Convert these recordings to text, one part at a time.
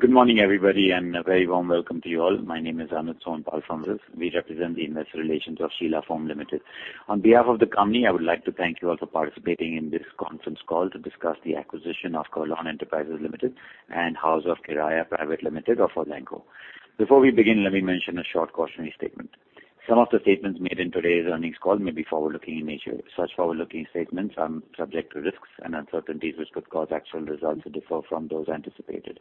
Good morning everybody and a very warm welcome to you all. My name is Anuj Sonpal. We represent the investor relations of Sheela Foam Limited. On behalf of the company, I would like to thank you all for participating in this conference call to discuss the acquisition of Kurlon Enterprise Limited and House of Kieraya Private Limited of Furlenco. Before we begin, let me mention a short cautionary statement. Some of the statements made in today's earnings call may be forward-looking in nature. Such forward-looking statements are subject to risks and uncertainties which could cause actual results to differ from those anticipated.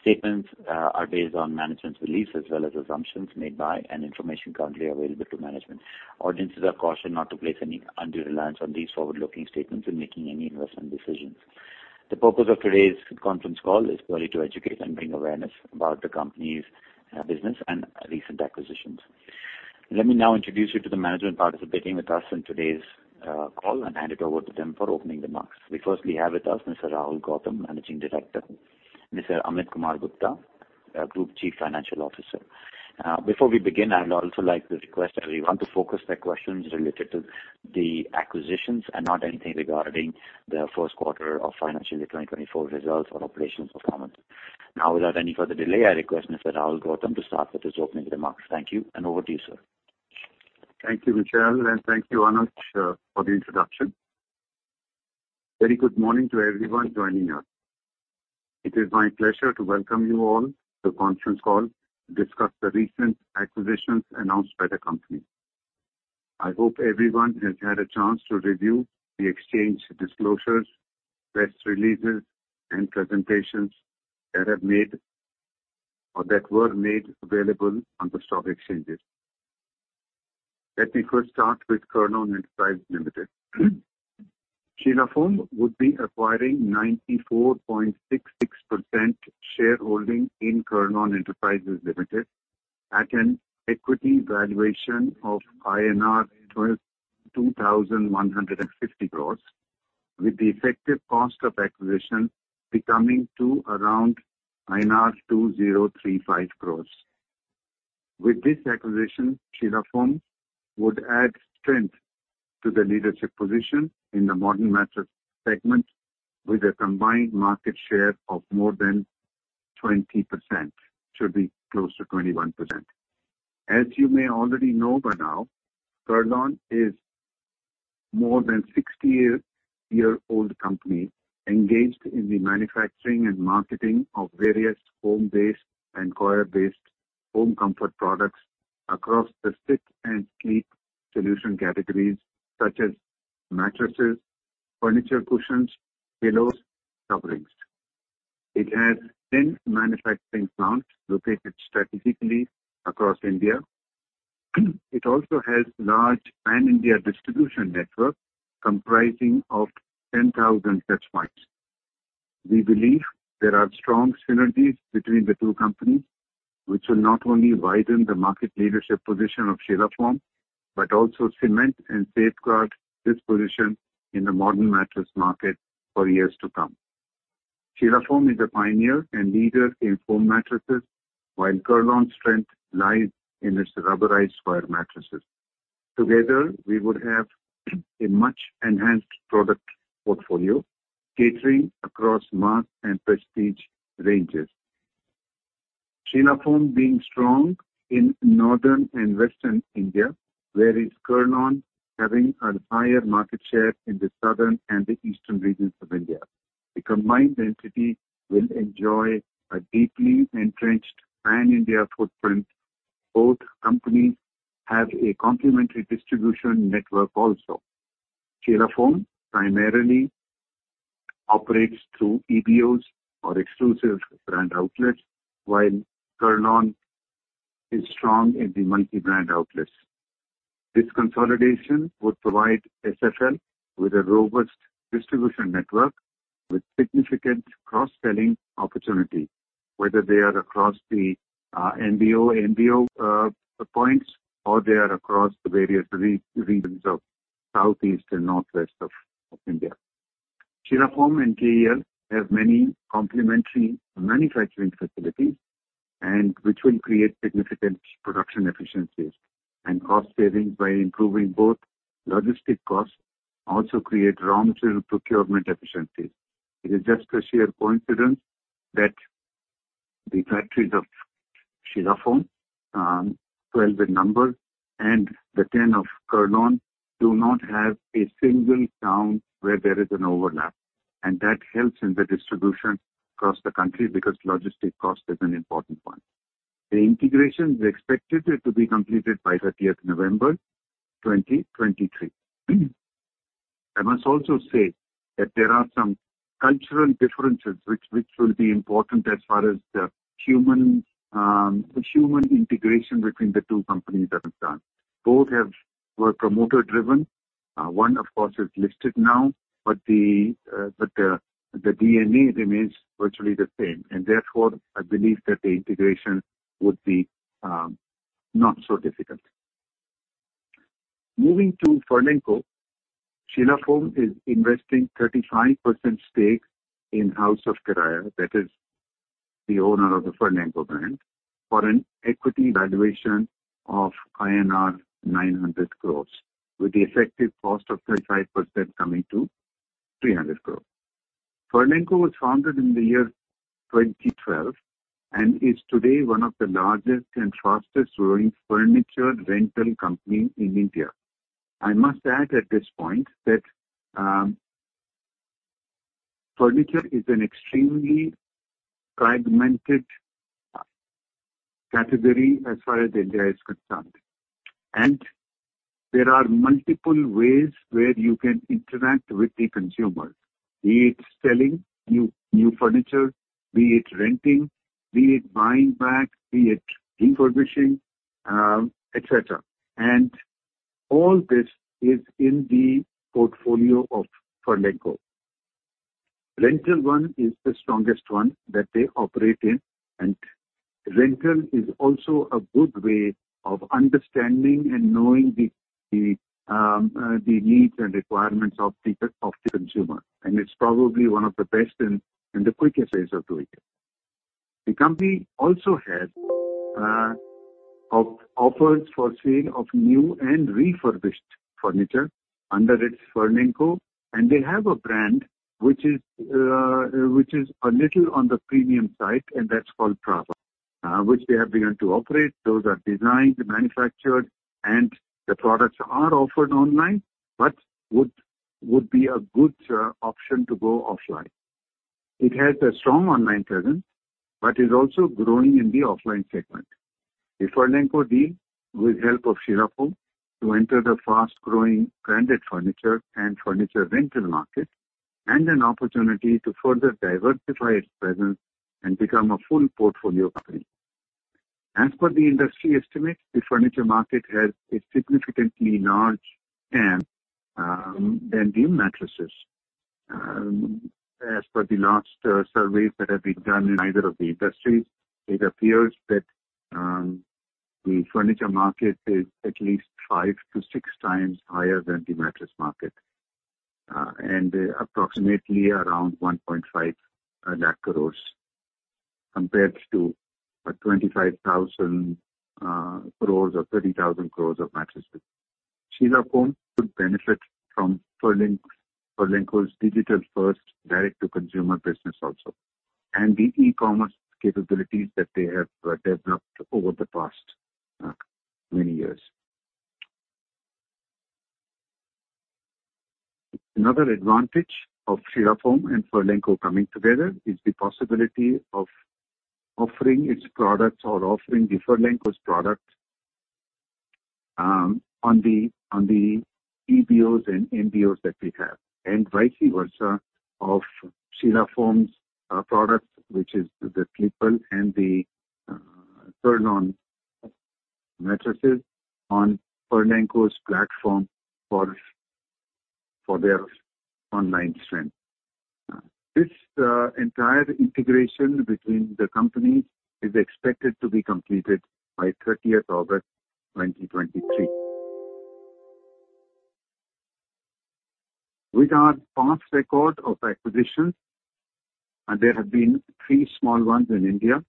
Statements are based on management's beliefs as well as assumptions made by and information currently available to management. Audiences are cautioned not to place any undue reliance on these forward-looking statements in making any investment decisions. The purpose of today's conference call is purely to educate and bring awareness about the company's business and recent acquisitions. Let me now introduce you to the management participating with us in today's call and hand it over to them for opening the mics. We firstly have with us Mr. Rahul Gautam, Managing Director. Mr. Amit Kumar Gupta, Group Chief Financial Officer. Before we begin, I'd also like to request everyone to focus their questions related to the acquisitions and not anything regarding the first quarter of financial year 2024 results or operations performance. Now, without any further delay, I request Mr. Rahul Gautam to start with his opening remarks. Thank you, and over to you, sir. Thank you, Michelle, and thank you, Anuj, for the introduction. Very good morning to everyone joining us. It is my pleasure to welcome you all to the conference call to discuss the recent acquisitions announced by the company. I hope everyone has had a chance to review the exchange disclosures, press releases, and presentations that have made or that were made available on the stock exchanges. Let me first start with Kurlon Enterprise Limited. Sheela Foam would be acquiring 94.66% shareholding in Kurlon Enterprise Limited at an equity valuation of INR 2,150 crores, with the effective cost of acquisition becoming to around INR 2,035 crores. With this acquisition, Sheela Foam would add strength to the leadership position in the modern mattress segment with a combined market share of more than 20%, should be close to 21%. As you may already know by now, Kurlon is more than 60-year-old company engaged in the manufacturing and marketing of various home-based and coir-based home comfort products across the sit and sleep solution categories such as mattresses, furniture cushions, pillows, and coverings. It has 10 manufacturing plants located strategically across India. It also has a large pan-India distribution network comprising 10,000 touchpoints. We believe there are strong synergies between the two companies, which will not only widen the market leadership position of Sheela Foam but also cement and safeguard this position in the modern mattress market for years to come. Sheela Foam is a pioneer and leader in foam mattresses, while Kurlon's strength lies in its rubberized coir mattresses. Together, we would have a much-enhanced product portfolio catering across mass and prestige ranges. Sheela Foam being strong in northern and western India, whereas Kurlon having a higher market share in the southern and the eastern regions of India. The combined entity will enjoy a deeply entrenched pan-India footprint. Both companies have a complementary distribution network also. Sheela Foam primarily operates through EBOs or exclusive brand outlets, while Kurlon is strong in the multi-brand outlets. This consolidation would provide SFL with a robust distribution network with significant cross-selling opportunity, whether they are across the MBO/MBO points or they are across the various regions of southeast and northwest of India. Sheela Foam and KEL have many complementary manufacturing facilities, which will create significant production efficiencies and cost savings by improving both logistic costs and also create raw material procurement efficiencies. It is just a sheer coincidence that the factories of Sheela Foam, 12 in number, and the 10 of Kurlon do not have a single town where there is an overlap, and that helps in the distribution across the country because logistic cost is an important one. The integration is expected to be completed by 30th November 2023. I must also say that there are some cultural differences which, which will be important as far as the human, the human integration between the two companies that are done. Both have were promoter-driven. One, of course, is listed now, but the, but the, the DNA remains virtually the same, and therefore I believe that the integration would be, not so difficult. Moving to Furlenco, Sheela Foam is investing 35% stake in House of Kieraya, that is, the owner of the Furlenco brand, for an equity valuation of INR 900 crore, with the effective cost of 35% coming to INR 300 crore. Furlenco was founded in the year 2012 and is today one of the largest and fastest-growing furniture rental companies in India. I must add at this point that, furniture is an extremely fragmented, category as far as India is concerned, and there are multiple ways where you can interact with the consumer, be it selling new, new furniture, be it renting, be it buying back, be it refurbishing, etc. And all this is in the portfolio of Furlenco. Rental one is the strongest one that they operate in, and rental is also a good way of understanding and knowing the needs and requirements of the consumer, and it's probably one of the best and the quickest ways of doing it. The company also offers for sale of new and refurbished furniture under its Furlenco, and they have a brand which is a little on the premium side, and that's called Prava, which they have begun to operate. Those are designed, manufactured, and the products are offered online but would be a good option to go offline. It has a strong online presence but is also growing in the offline segment. The Furlenco deal, with the help of Sheela Foam, will enter the fast-growing branded furniture and furniture rental market and an opportunity to further diversify its presence and become a full portfolio company. As per the industry estimate, the furniture market has a significantly large span than the mattresses. As per the latest surveys that have been done in either of the industries, it appears that the furniture market is at least 5-6 times higher than the mattress market, and approximately around 1,50,000 crore compared to 25,000 crore or 30,000 crore of mattresses. Sheela Foam would benefit from Furlenco's digital-first, direct-to-consumer business also and the e-commerce capabilities that they have developed over the past many years. Another advantage of Sheela Foam and Furlenco coming together is the possibility of offering its products or offering the Furlenco's products, on the EBOs and MBOs that we have, and vice versa of Sheela Foam's products, which are the Sleepwell and the Kurlon mattresses, on Furlenco's platform for their online strength. This entire integration between the companies is expected to be completed by 30th August 2023. With our past record of acquisitions, there have been three small ones in India,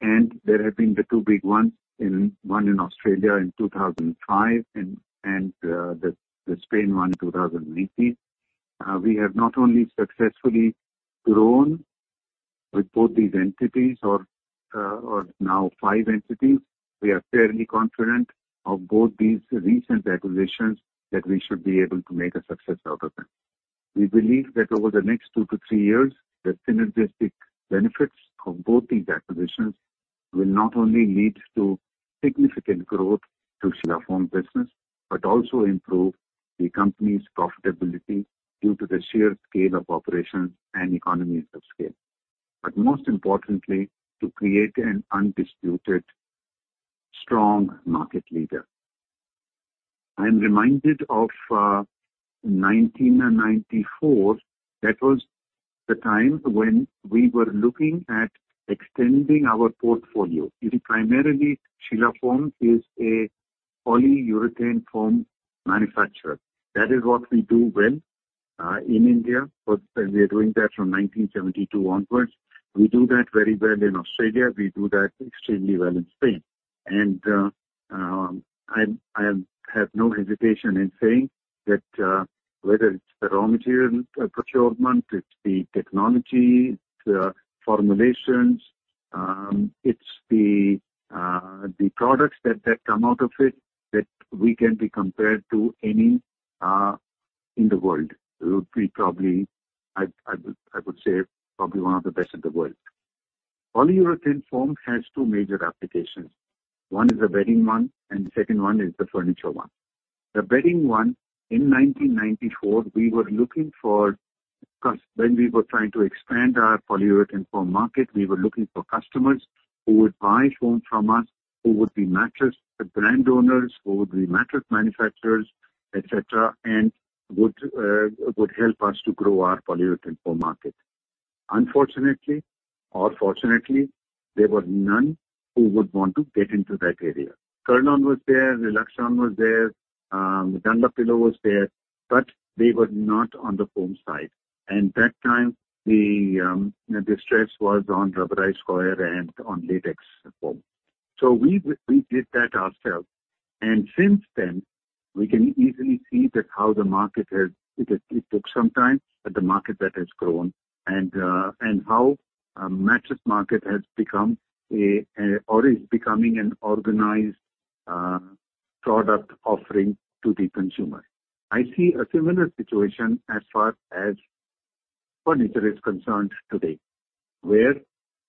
and there have been the two big ones in one in Australia in 2005 and the Spain one in 2019. We have not only successfully grown with both these entities or now five entities, we are fairly confident of both these recent acquisitions that we should be able to make a success out of them. We believe that over the next 2-3 years, the synergistic benefits of both these acquisitions will not only lead to significant growth to Sheela Foam's business but also improve the company's profitability due to the sheer scale of operations and economies of scale, but most importantly, to create an undisputed strong market leader. I am reminded of 1994. That was the time when we were looking at extending our portfolio. It's primarily Sheela Foam is a polyurethane foam manufacturer. That is what we do well, in India, but we are doing that from 1972 onwards. We do that very well in Australia. We do that extremely well in Spain. I have no hesitation in saying that, whether it's the raw material procurement, it's the technology, it's formulations, it's the products that come out of it that we can be compared to any in the world. It would probably be, I would say, one of the best in the world. Polyurethane foam has two major applications. One is the bedding one, and the second one is the furniture one. The bedding one, in 1994, we were looking for customers when we were trying to expand our polyurethane foam market, we were looking for customers who would buy foam from us, who would be mattress brand owners, who would be mattress manufacturers, etc., and would help us to grow our polyurethane foam market. Unfortunately or fortunately, there were none who would want to get into that area. Kurlon was there. Rilaxon was there. Dunlopillo was there, but they were not on the foam side. That time, the stress was on rubberized coir and on latex foam. So we did that ourselves, and since then, we can easily see that how the market has it took some time, but the market that has grown and how mattress market has become a or is becoming an organized product offering to the consumer. I see a similar situation as far as furniture is concerned today, where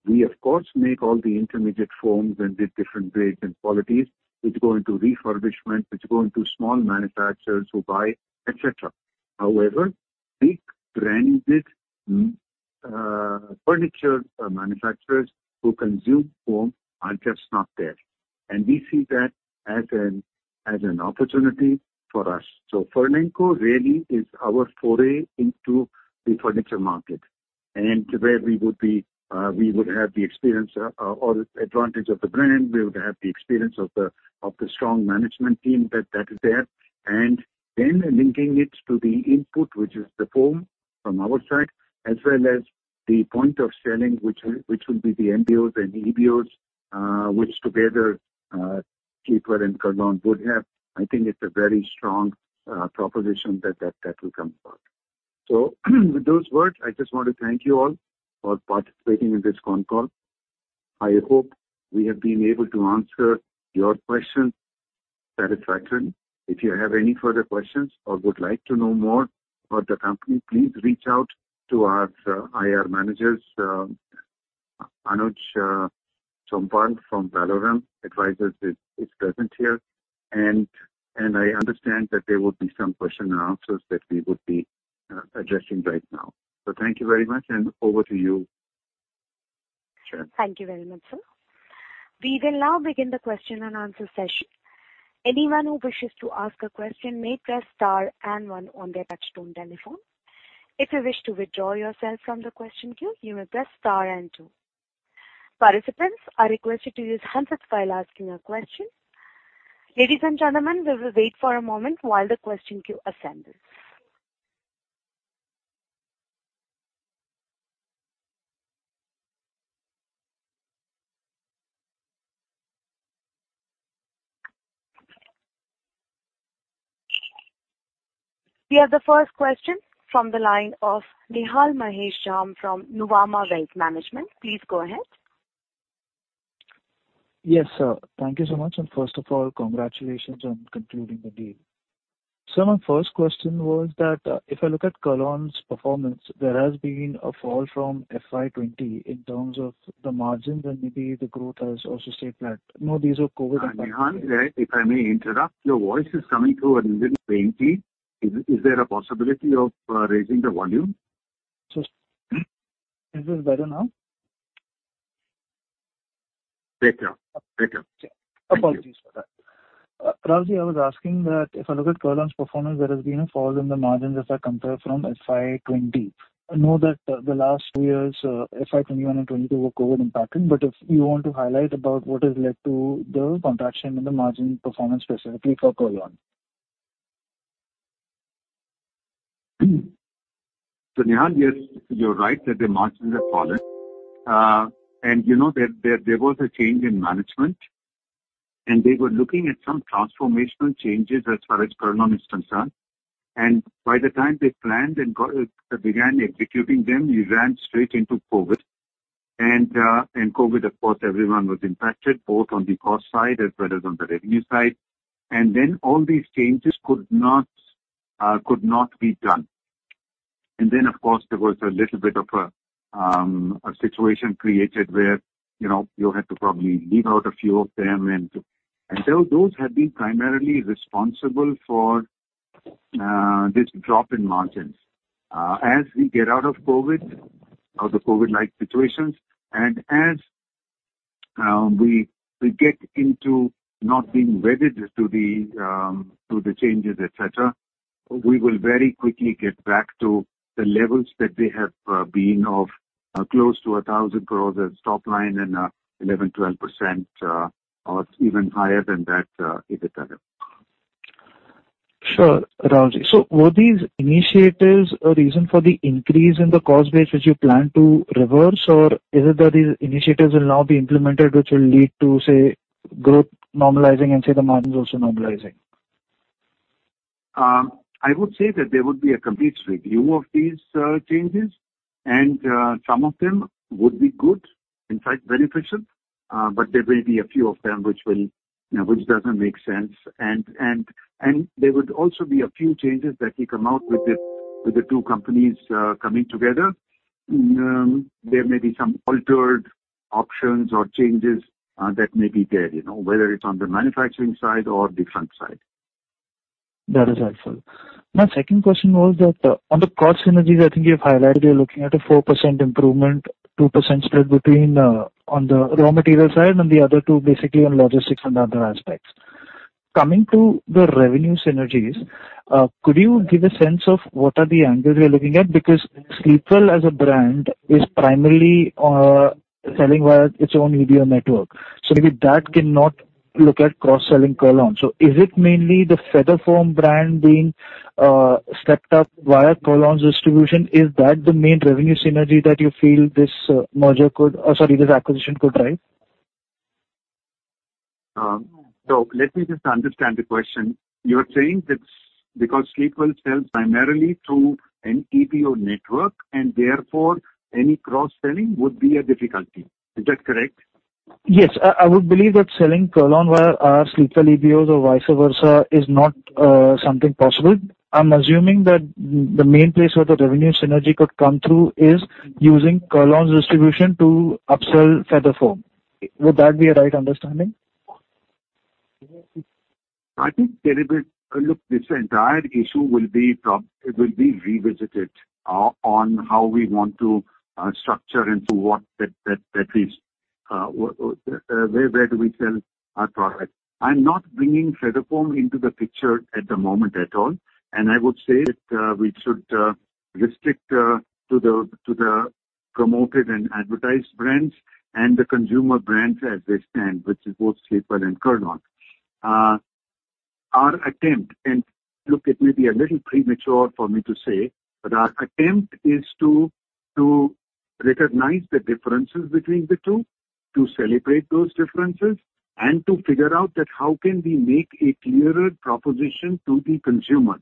we, of course, make all the intermediate foams and the different grades and qualities. It's going to refurbishment. It's going to small manufacturers who buy, etc. However, big branded furniture manufacturers who consume foam are just not there, and we see that as an opportunity for us. Furlenco really is our foray into the furniture market and where we would be we would have the experience or advantage of the brand. We would have the experience of the strong management team that is there, and then linking it to the input, which is the foam from our side, as well as the point of selling, which will be the MBOs and EBOs, which together, Sleepwell and Kurlon would have. I think it's a very strong proposition that will come about. So with those words, I just want to thank you all for participating in this phone call. I hope we have been able to answer your questions satisfactorily. If you have any further questions or would like to know more about the company, please reach out to our IR manager, Anuj Sonpal from Valorem Advisors. He's, he's present here, and, and I understand that there would be some question and answers that we would be addressing right now. So thank you very much, and over to you, Sharon. Thank you very much, sir. We will now begin the question and answer session. Anyone who wishes to ask a question may press * and one on their touch-tone telephone. If you wish to withdraw yourself from the question queue, you may press * and two. Participants are requested to use handsets while asking a question. Ladies and gentlemen, we will wait for a moment while the question queue assembles. We have the first question from the line of Nihal Mahesh Jham from Nuvama Wealth Management. Please go ahead. Yes, sir. Thank you so much. And first of all, congratulations on concluding the deal. Sir, my first question was that, if I look at Kurlon's performance, there has been a fall from FY20 in terms of the margins, and maybe the growth has also stayed flat. No, these are COVID impacts. Nihal, if I may interrupt, your voice is coming through a little faintly. Is there a possibility of raising the volume? Sir, is it better now? Better. Better. Apologies for that. Rahulji, I was asking that if I look at Kurlon's performance, there has been a fall in the margins as I compare from FY20. I know that the last two years, FY21 and 2022 were COVID impacted, but if you want to highlight about what has led to the contraction in the margin performance specifically for Kurlon. So, Nihal, you're, you're right that the margins have fallen. You know that there was a change in management, and they were looking at some transformational changes as far as Kurlon is concerned. By the time they planned and got began executing them, you ran straight into COVID. COVID, of course, everyone was impacted, both on the cost side as well as on the revenue side. Then all these changes could not be done. Then, of course, there was a little bit of a situation created where, you know, you had to probably leave out a few of them. Those had been primarily responsible for this drop in margins. As we get out of COVID or the COVID-like situations and as we get into not being wedded to the changes, etc., we will very quickly get back to the levels that they have been of close to 1,000 crore as top line and 11%-12%, or even higher than that, etc. Sure, Rahulji. So were these initiatives a reason for the increase in the cost base, which you plan to reverse, or is it that these initiatives will now be implemented, which will lead to, say, growth normalizing and, say, the margins also normalizing? I would say that there would be a complete review of these changes, and some of them would be good, in fact, beneficial, but there may be a few of them which doesn't make sense. And there would also be a few changes that we come out with the two companies coming together. There may be some altered options or changes that may be there, you know, whether it's on the manufacturing side or the front side. That is helpful. My second question was that, on the cost synergies, I think you've highlighted you're looking at a 4% improvement, 2% spread between, on the raw material side and the other two basically on logistics and other aspects. Coming to the revenue synergies, could you give a sense of what are the angles you're looking at? Because Sleepwell as a brand is primarily selling via its own EBO network. So maybe that cannot look at cross-selling Kurlon. So is it mainly the Feather Foam brand being stepped up via Kurlon's distribution? Is that the main revenue synergy that you feel this merger could or sorry, this acquisition could drive? So let me just understand the question. You're saying that's because Sleepwell sells primarily through an EBO network, and therefore, any cross-selling would be a difficulty. Is that correct? Yes. I would believe that selling Kurlon via our Sleepwell EBOs or vice versa is not something possible. I'm assuming that the main place where the revenue synergy could come through is using Kurlon's distribution to upsell Feather Foam. Would that be a right understanding? I think there will be look, this entire issue will be probably it will be revisited on how we want to structure and to what that is where do we sell our product. I'm not bringing Feather Foam into the picture at the moment at all. And I would say. We should restrict to the promoted and advertised brands and the consumer brands as they stand, which is both Sleepwell and Kurlon. Our attempt and look, it may be a little premature for me to say, but our attempt is to recognize the differences between the two, to celebrate those differences, and to figure out how we can make a clearer proposition to the consumer.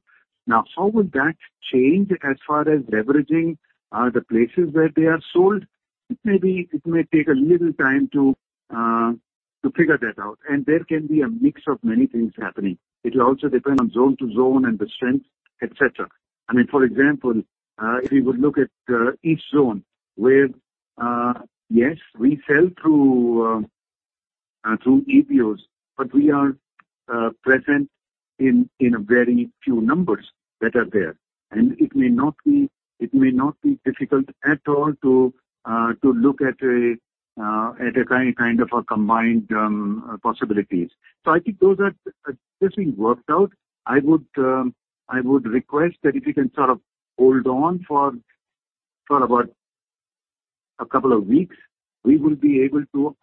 Now, how will that change as far as leveraging the places where they are sold? It may take a little time to figure that out. There can be a mix of many things happening. It will also depend on zone to zone and the strength, etc. I mean, for example, if we would look at each zone where, yes, we sell through EBOs, but we are present in a very few numbers that are there. And it may not be difficult at all to look at a kind of a combined possibilities. So I think those are just being worked out. I would request that if you can sort of hold on for about a couple of weeks, we will be able to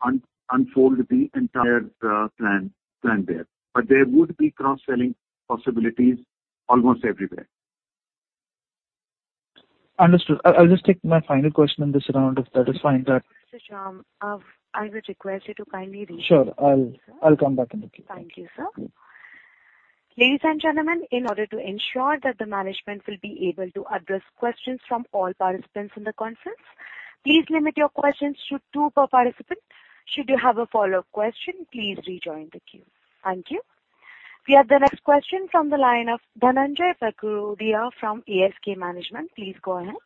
unfold the entire plan there. But there would be cross-selling possibilities almost everywhere. Understood. I'll just take my final question in this round if that is fine that. Mr. Jham, I would request you to kindly re-. Sure. I'll come back into queue. Thank you, sir. Ladies and gentlemen, in order to ensure that the management will be able to address questions from all participants in the conference, please limit your questions to two per participant. Should you have a follow-up question, please rejoin the queue. Thank you. We have the next question from the line of Dhananjay Bagrodia from ASK Investment Managers. Please go ahead.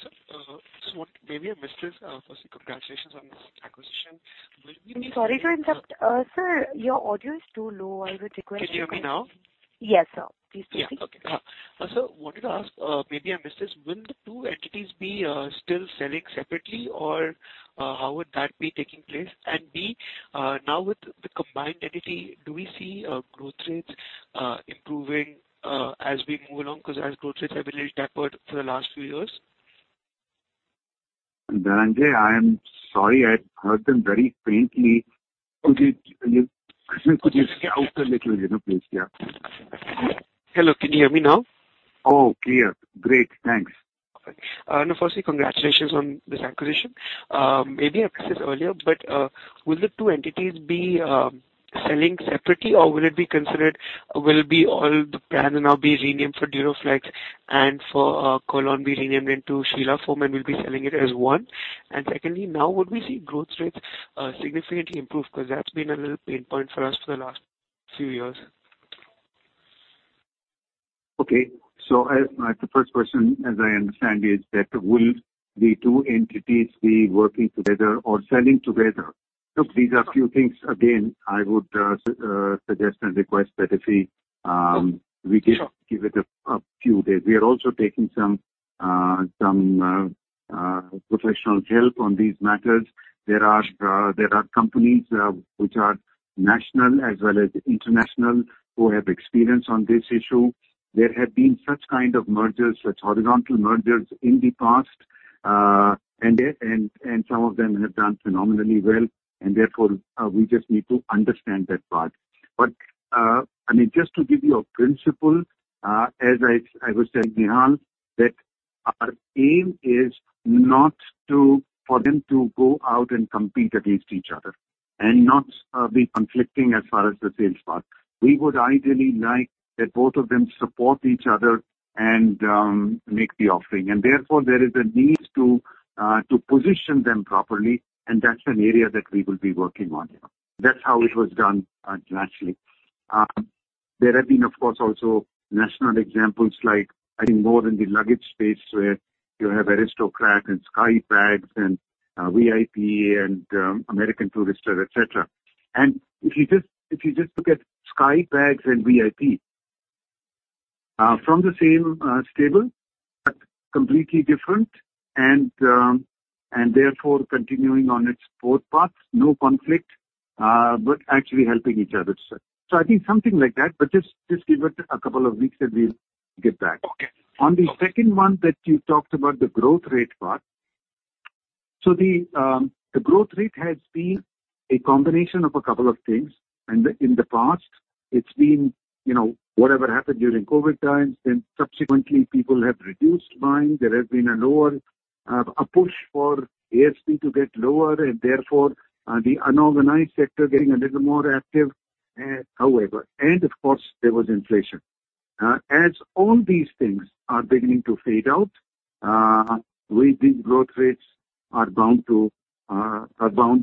Sir, sir, maybe I missed this. Firstly, congratulations on this acquisition. Will we need to. Sorry to interrupt. Sir, your audio is too low. I would request you to. Can you hear me now? Yes, sir. Please proceed. Yeah. Okay. Sir, wanted to ask, maybe I missed this. Will the two entities be still selling separately, or how would that be taking place? And B, now with the combined entity, do we see growth rates improving as we move along? Because as growth rates have been a little tapered for the last few years. Dhananjay, I am sorry. I heard them very faintly. Could you could you speak out a little, you know, please, yeah? Hello. Can you hear me now? Oh, clear. Great. Thanks. Perfect. No, firstly, congratulations on this acquisition. Maybe I missed this earlier, but will the two entities be selling separately, or will it be considered will be all the brands now be renamed for Duroflex and for Kurlon be renamed into Sheela Foam and we'll be selling it as one? And secondly, now would we see growth rates significantly improve? Because that's been a little pain point for us for the last few years. Okay. So as my the first question, as I understand, is that will the two entities be working together or selling together? Look, these are a few things. Again, I would suggest and request that if we give it a few days. We are also taking some professional help on these matters. There are companies, which are national as well as international who have experience on this issue. There have been such kind of mergers, such horizontal mergers in the past, and some of them have done phenomenally well. And therefore, we just need to understand that part. But I mean, just to give you a principle, as I was saying, Nihal, that our aim is not for them to go out and compete against each other and not be conflicting as far as the sales part. We would ideally like that both of them support each other and make the offering. And therefore, there is a need to position them properly. And that's an area that we will be working on here. That's how it was done, naturally. There have been, of course, also national examples like more in the luggage space where you have Aristocrat and Skybags and VIP and American Tourister, etc. And if you just if you just look at Skybags and VIP, from the same stable. But completely different and therefore continuing on its both paths, no conflict, but actually helping each other. So I think something like that. But just give it a couple of weeks that we'll get back. Okay. On the second one that you talked about, the growth rate part. So the growth rate has been a combination of a couple of things. And in the past, it's been, you know, whatever happened during COVID times. Then subsequently, people have reduced buying. There has been a lower push for ASP to get lower. Therefore, the unorganized sector getting a little more active. However, of course, there was inflation. As all these things are beginning to fade out, these growth rates are bound to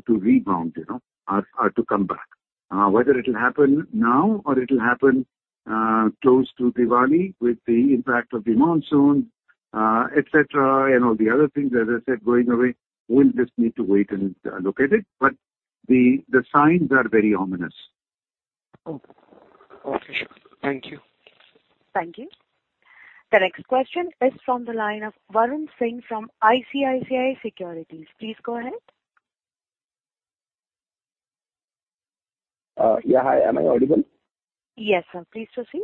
rebound, you know, to come back. Whether it'll happen now or it'll happen close to Diwali with the impact of the monsoon, etc., and all the other things, as I said, going away, we'll just need to wait and look at it. But the signs are very ominous. Okay. Okay. Sure. Thank you. Thank you. The next question is from the line of Varun Singh from ICICI Securities. Please go ahead. Yeah. Hi. Am I audible? Yes, sir. Please proceed.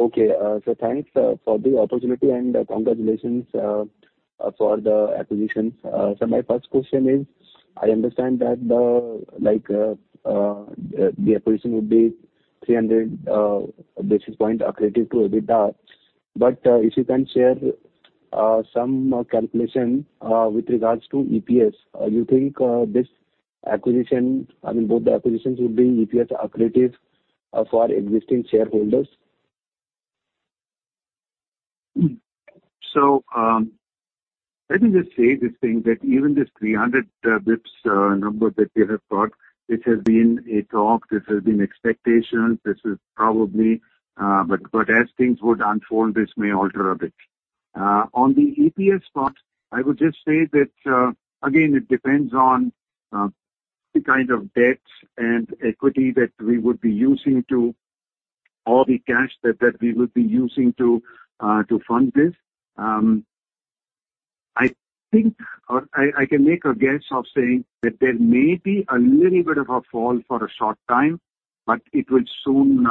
Okay. So thanks for the opportunity and congratulations for the acquisition. So my first question is, I understand that the, like, the acquisition would be 300 basis points accretive to EBITDA. But, if you can share, some, calculation, with regards to EPS, you think, this acquisition I mean, both the acquisitions would be EPS accretive, for existing shareholders? So, let me just say this thing, that even this 300 basis points number that we have thought, this has been a talk. This has been expectations. This is probably but, but as things would unfold, this may alter a bit. On the EPS part, I would just say that, again, it depends on, the kind of debt and equity that we would be using to or the cash that, that we would be using to, to fund this. I think or I, I can make a guess of saying that there may be a little bit of a fall for a short time, but it will soon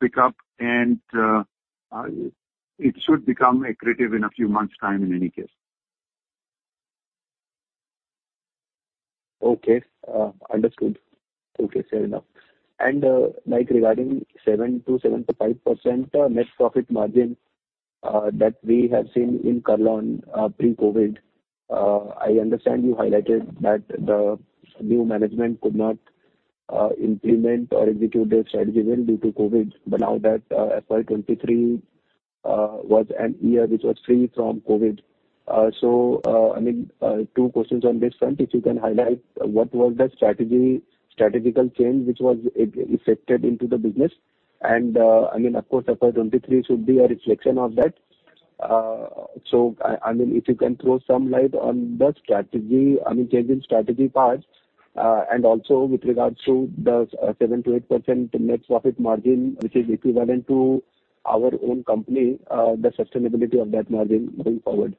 pick up. And it should become accretive in a few months' time in any case. Okay. Understood. Okay. Fair enough. And like, regarding 7%-7.5% net profit margin that we have seen in Kurlon pre-COVID, I understand you highlighted that the new management could not implement or execute their strategy well due to COVID. But now that FY23 was a year which was free from COVID, so I mean, two questions on this front. If you can highlight what was the strategy strategical change which was affected into the business. And I mean, of course, FY23 should be a reflection of that. I mean, if you can throw some light on the strategy I mean, change in strategy part, and also with regards to the 7%-8% net profit margin. Which is equivalent to our own company, the sustainability of that margin going forward.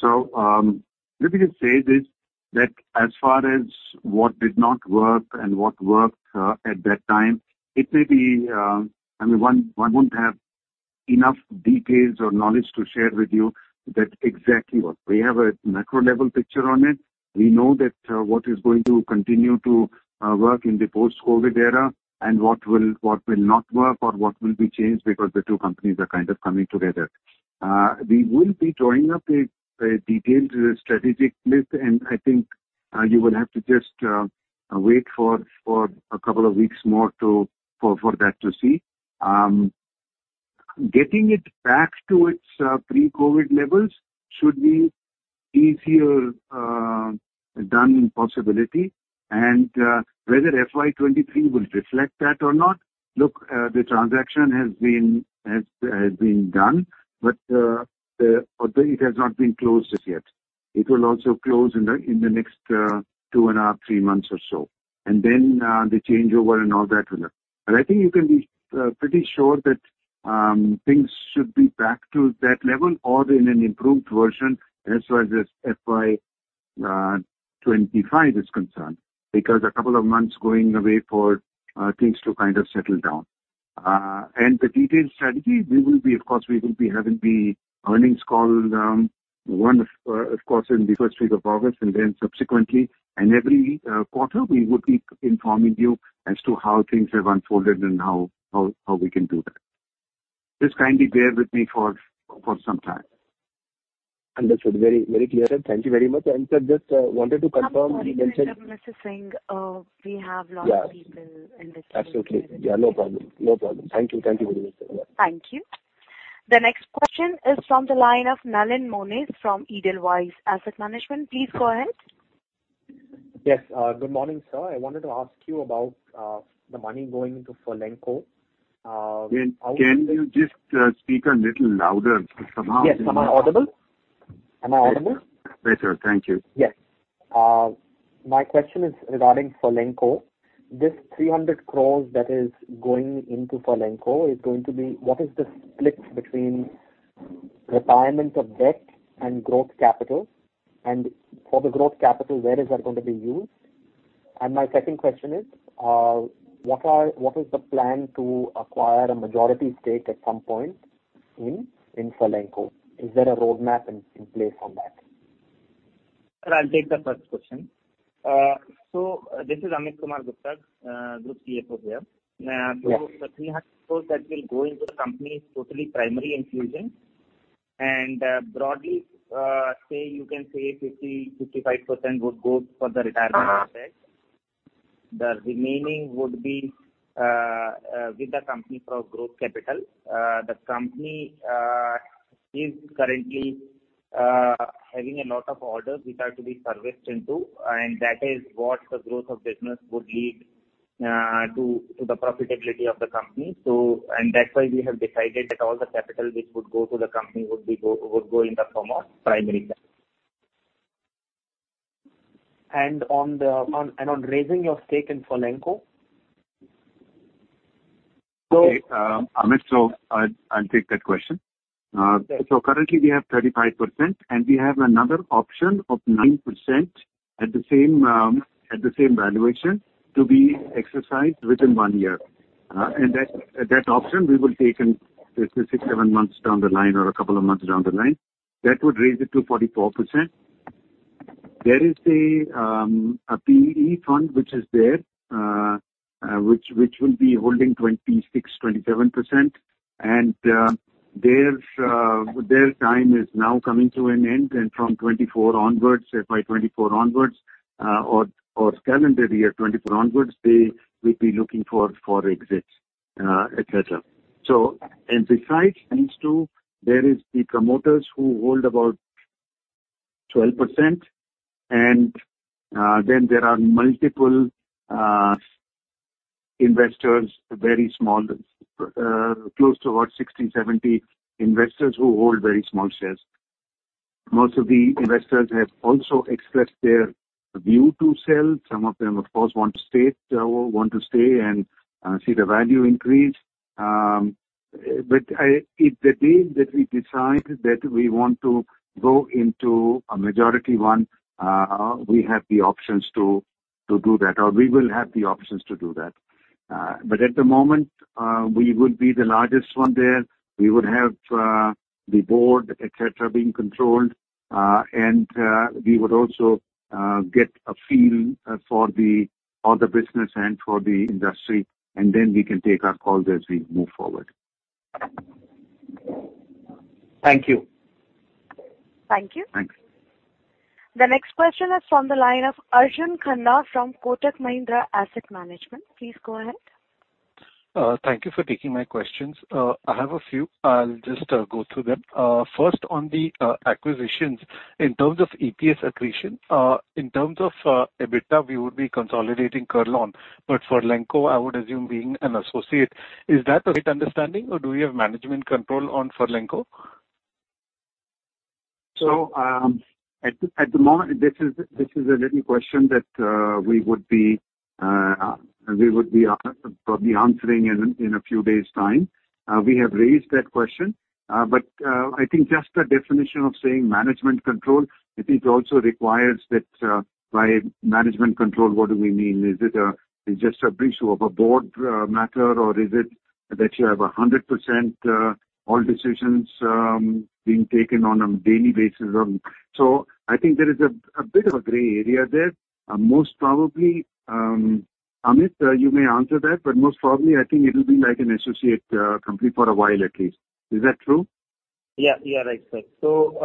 So, maybe you can say this that as far as what did not work and what worked, at that time, it may be I mean, one won't have enough details or knowledge to share with you that exactly what. We have a macro-level picture on it. We know that, what is going to continue to, work in the post-COVID era and what will not work or what will be changed because the two companies are kind of coming together. We will be drawing up a detailed strategic list. I think you will have to just wait for a couple of weeks more to see that. Getting it back to its pre-COVID levels should be easier done possibility. Whether FY23 will reflect that or not, look, the transaction has been done, but it has not been closed yet. It will also close in the next 2.5-3 months or so. And then, the changeover and all that will happen. But I think you can be pretty sure that things should be back to that level or in an improved version as far as FY25 is concerned because a couple of months going away for things to kind of settle down. And the detailed strategy, we will be, of course, having the earnings call one of course in the first week of August and then subsequently. And every quarter, we would keep informing you as to how things have unfolded and how we can do that. Just kindly bear with me for some time. Understood. Very, very clear, sir. Thank you very much. And, sir, just wanted to confirm. You mentioned. Oh, I'm sorry. Mr. Singh, we have lots of people in the team. Yeah. Absolutely. Yeah. No problem. No problem. Thank you. Thank you very much, sir. Yeah. Thank you. The next question is from the line of Nalin Moniz from Edelweiss Asset Management. Please go ahead. Yes. Good morning, sir. I wanted to ask you about the money going into Furlenco. Can you just speak a little louder? Because somehow. Yes. Am I audible? Am I audible? Yes, sir. Thank you. Yes. My question is regarding Furlenco. This 300 crore that is going into Furlenco is going to be what is the split between retirement of debt and growth capital? And for the growth capital, where is that going to be used? And my second question is, what is the plan to acquire a majority stake at some point in, in Furlenco? Is there a roadmap in, in place on that? Sir, I'll take the first question. So this is Amit Kumar Gupta, group CFO here. So the 300 crore that will go into the company is totally primary inclusion. And, broadly, say you can say 50%-55% would go for the retirement of debt. The remaining would be, with the company for growth capital. The company is currently having a lot of orders which are to be serviced into. And that is what the growth of business would lead to the profitability of the company. So that's why we have decided that all the capital which would go to the company would go in the form of primary capital. And on raising your stake in Furlenco. Okay. Amit, so I'll take that question. So currently, we have 35%. And we have another option of 9% at the same valuation to be exercised within one year. And that option, we will take in 6, 7, 7 months down the line or a couple of months down the line. That would raise it to 44%. There is a PE fund which will be holding 26%-27%. And their time is now coming to an end. And from 2024 onwards, FY2024 onwards, or calendar year 2024 onwards, they will be looking for exits, etc. So, besides these two, there are the promoters who hold about 12%. And then there are multiple investors, very small, close to 60-70 investors who hold very small shares. Most of the investors have also expressed their view to sell. Some of them, of course, want to stay or want to stay and see the value increase. But if the day that we decide that we want to go into a majority one, we have the options to do that or we will have the options to do that. But at the moment, we will be the largest one there. We would have the board, etc., being controlled. And we would also get a feel for the business and for the industry. And then we can take our calls as we move forward. Thank you. Thank you. Thanks. The next question is from the line of Arjun Khanna from Kotak Mahindra Asset Management. Please go ahead. Thank you for taking my questions. I have a few. I'll just go through them. First, on the acquisitions, in terms of EPS accretion, in terms of EBITDA, we would be consolidating Kurlon. But Furlenco, I would assume, being an associate, is that the right understanding? Or do we have management control on Furlenco? So, at the moment, this is a little question that we would be probably answering in a few days' time. We have raised that question. But I think just the definition of saying management control, I think it also requires that, by management control, what do we mean? Is it just a breach of a board matter? Or is it that you have 100%, all decisions being taken on a daily basis? So I think there is a bit of a gray area there. Most probably Amit, you may answer that. But most probably, I think it'll be like an associate company for a while at least. Is that true? Yeah. Yeah. That's right. So,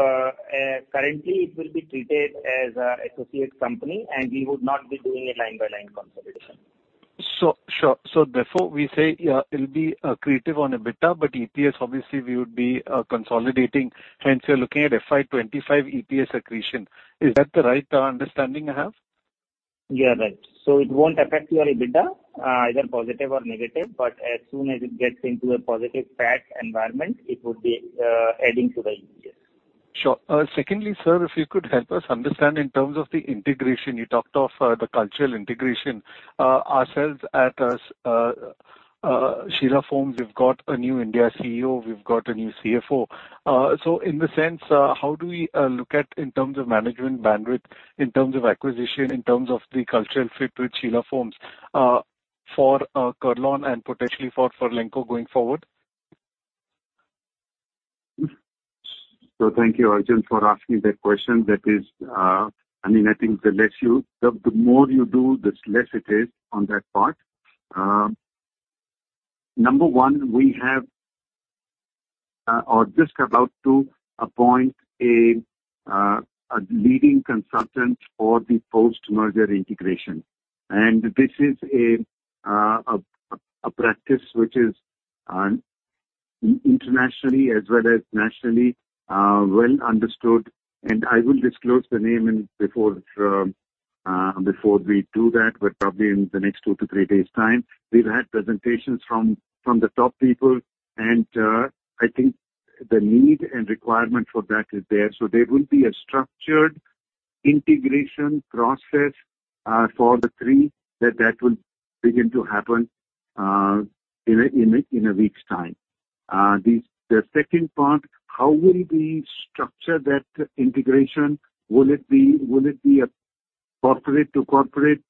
currently, it will be treated as an associate company. And we would not be doing a line-by-line consolidation. Sure. Sure. So therefore, we say, yeah, it'll be accretive on EBITDA. But EPS, obviously, we would be consolidating. Hence, we are looking at FY25 EPS accretion. Is that the right understanding I have? Yeah. Right. So it won't affect your EBITDA, either positive or negative. But as soon as it gets into a positive fact environment, it would be adding to the EPS. Sure. Secondly, sir, if you could help us understand in terms of the integration you talked of, the cultural integration. Ourselves at Sheela Foam. We've got a new India CEO. We've got a new CFO. So in the sense, how do we look at in terms of management bandwidth, in terms of acquisition, in terms of the cultural fit with Sheela Foam, for Kurlon and potentially for Furlenco going forward? So thank you, Arjun, for asking that question. That is, I mean, I think the less you, the more you do, the less it is on that part. Number one, we have, or just about to appoint a leading consultant for the post-merger integration. And this is a practice which is, internationally as well as nationally, well understood. And I will disclose the name and before we do that, but probably in the next 2 to 3 days' time. We've had presentations from the top people. And I think the need and requirement for that is there. So there will be a structured integration process for the three that will begin to happen in a week's time. This, the second part, how will we structure that integration? Will it be a corporate-to-corporate,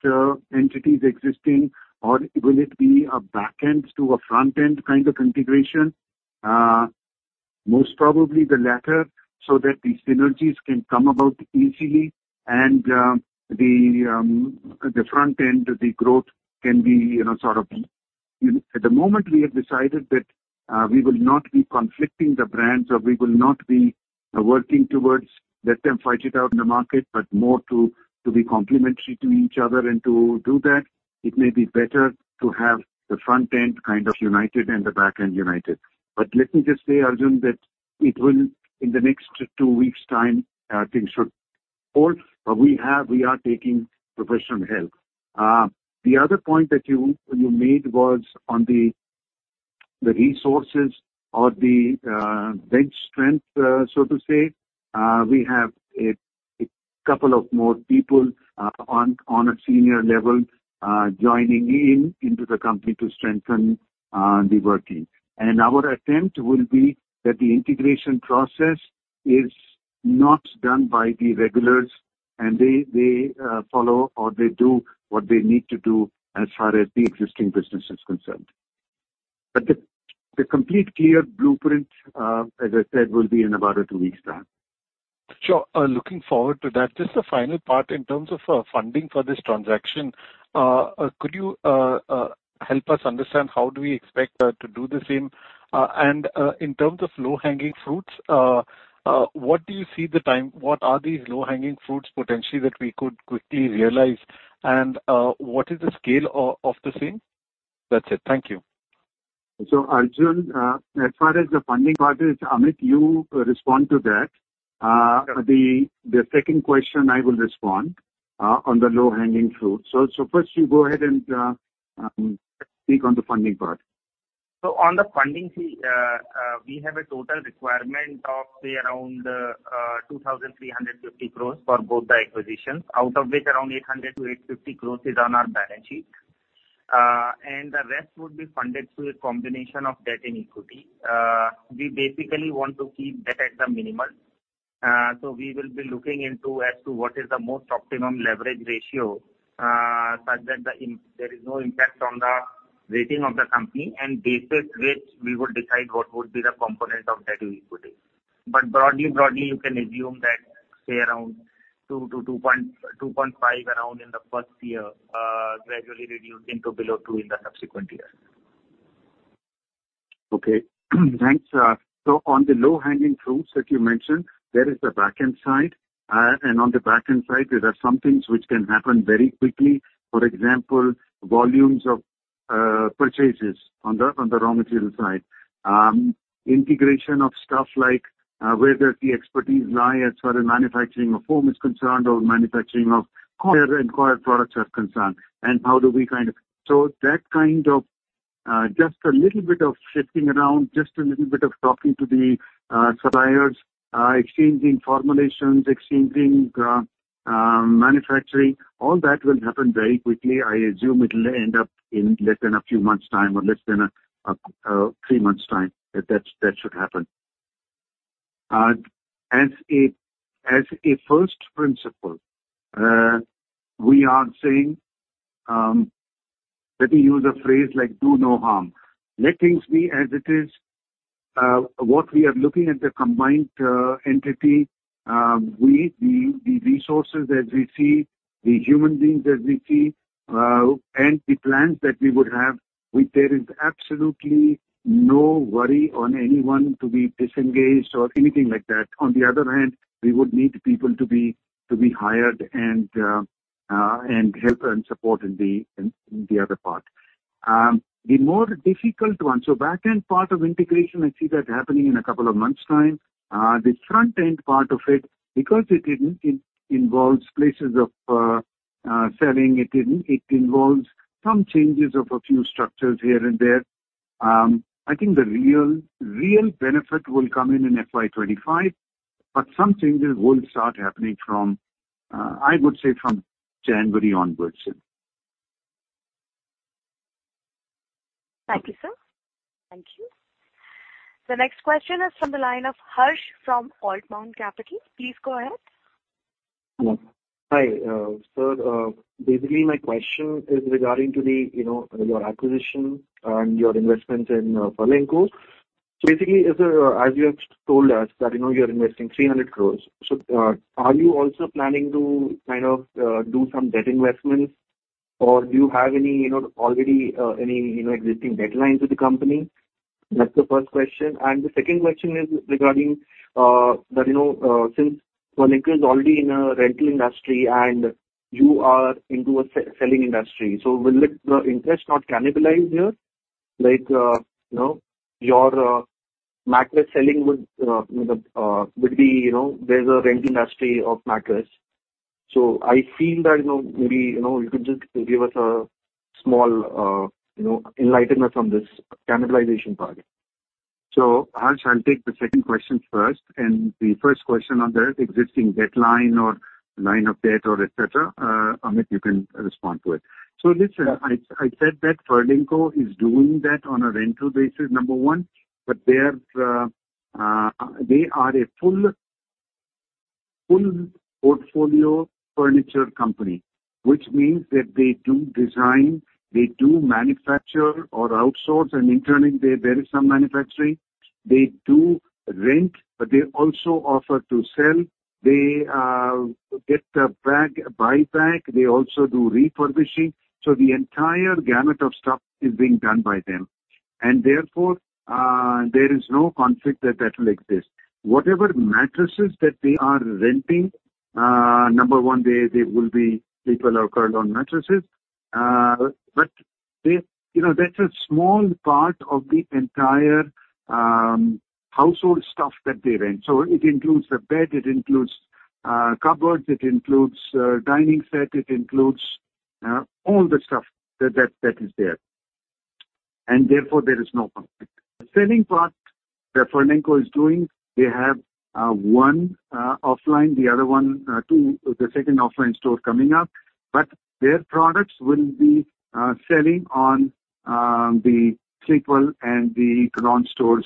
entities existing? Or will it be a back-end to a front-end kind of integration? Most probably, the latter so that the synergies can come about easily. And, the front-end, the growth can be, you know, sort of at the moment, we have decided that, we will not be conflicting the brands. Or we will not be working towards letting them fight it out in the market, but more to, to be complementary to each other. And to do that, it may be better to have the front-end kind of united and the back-end united. But let me just say, Arjun, that it will in the next two weeks' time, things should hold. But we are taking professional help. The other point that you made was on the, the resources or the, bench strength, so to say. We have a couple of more people on a senior level joining into the company to strengthen the working. And our attempt will be that the integration process is not done by the regulars. And they follow or they do what they need to do as far as the existing business is concerned. But the complete clear blueprint, as I said, will be in about a two weeks' time. Sure. Looking forward to that. Just the final part in terms of funding for this transaction, could you help us understand how do we expect to do the same. And in terms of low-hanging fruits, what do you see the time what are these low-hanging fruits potentially that we could quickly realize? And what is the scale of the same? That's it. Thank you. So, Arjun, as far as the funding part is, Amit, you respond to that. The second question, I will respond on the low-hanging fruit. So first, you go ahead and speak on the funding part. So on the funding, see, we have a total requirement of, say, around 2,350 crores for both the acquisitions, out of which around 800-850 crores is on our balance sheet. And the rest would be funded through a combination of debt and equity. We basically want to keep debt at the minimum. So we will be looking into as to what is the most optimum leverage ratio, such that there is no impact on the rating of the company. And based on that, we would decide what would be the component of debt to equity. But broadly, broadly, you can assume that, say, around 2-2.5 around in the first year. Gradually reduce into below 2 in the subsequent years. Okay. Thanks. So on the low-hanging fruits that you mentioned, there is the back-end side. And on the back-end side, there are some things which can happen very quickly. For example, volumes of purchases on the raw materials side, integration of stuff like, where does the expertise lie as far as manufacturing of foam is concerned or manufacturing of where acquired products are concerned. And how do we kind of so that kind of, just a little bit of shifting around, just a little bit of talking to the suppliers, exchanging formulations, exchanging manufacturing, all that will happen very quickly. I assume it'll end up in less than a few months' time or less than a three months' time, that that should happen. As a first principle, we are saying, let me use a phrase like, "Do no harm." Let things be as it is. What we are looking at, the combined entity, we, the resources that we see, the human beings that we see, and the plans that we would have, which there is absolutely no worry on anyone to be disengaged or anything like that. On the other hand, we would need people to be hired and help and support in the other part, the more difficult one, the back-end part of integration. I see that happening in a couple of months' time. the front-end part of it, because it didn't involves places of selling, it didn't; it involves some changes of a few structures here and there. I think the real, real benefit will come in FY25. But some changes will start happening from, I would say, from January onwards, sir. Thank you, sir. Thank you. The next question is from the line of Harsh from Altamount Capital. Please go ahead. Hello. Hi, sir. Basically, my question is regarding the, you know, your acquisition and your investment in Furlenco. So basically, is there, as you have told us that, you know, you're investing 300 crore. So, are you also planning to kind of do some debt investments? Or do you have any, you know, already any, you know, existing debt lines with the company? That's the first question. The second question is regarding, that, you know, since Furlenco is already in a rental industry and you are into a selling industry, so will the investment not cannibalize here? Like, you know, your, mattress selling would, you know, would be, you know, there's a rental industry of mattress. So I feel that, you know, maybe, you know, you could just give us a small, you know, enlightenment on this cannibalization part. So, Harsh, I'll take the second question first. And the first question on the existing debt line or line of debt or etc., Amit, you can respond to it. So listen, I've, I've said that Furlenco is doing that on a rental basis, number one. But they are, they are a full, full portfolio furniture company, which means that they do design, they do manufacture or outsource. And internally, there is some manufacturing. They do rent. But they also offer to sell. They get the bag buy-back. They also do refurbishing. So the entire gamut of stuff is being done by them. And therefore, there is no conflict that will exist. Whatever mattresses that they are renting, number one, they will be Kurlon mattresses. But they, you know, that's a small part of the entire household stuff that they rent. So it includes the bed. It includes cupboards. It includes dining set. It includes all the stuff that is there. And therefore, there is no conflict. The selling part that Furlenco is doing, they have one offline, the other one too, the second offline store coming up. But their products will be selling on the Sleepwell and the Kurlon stores,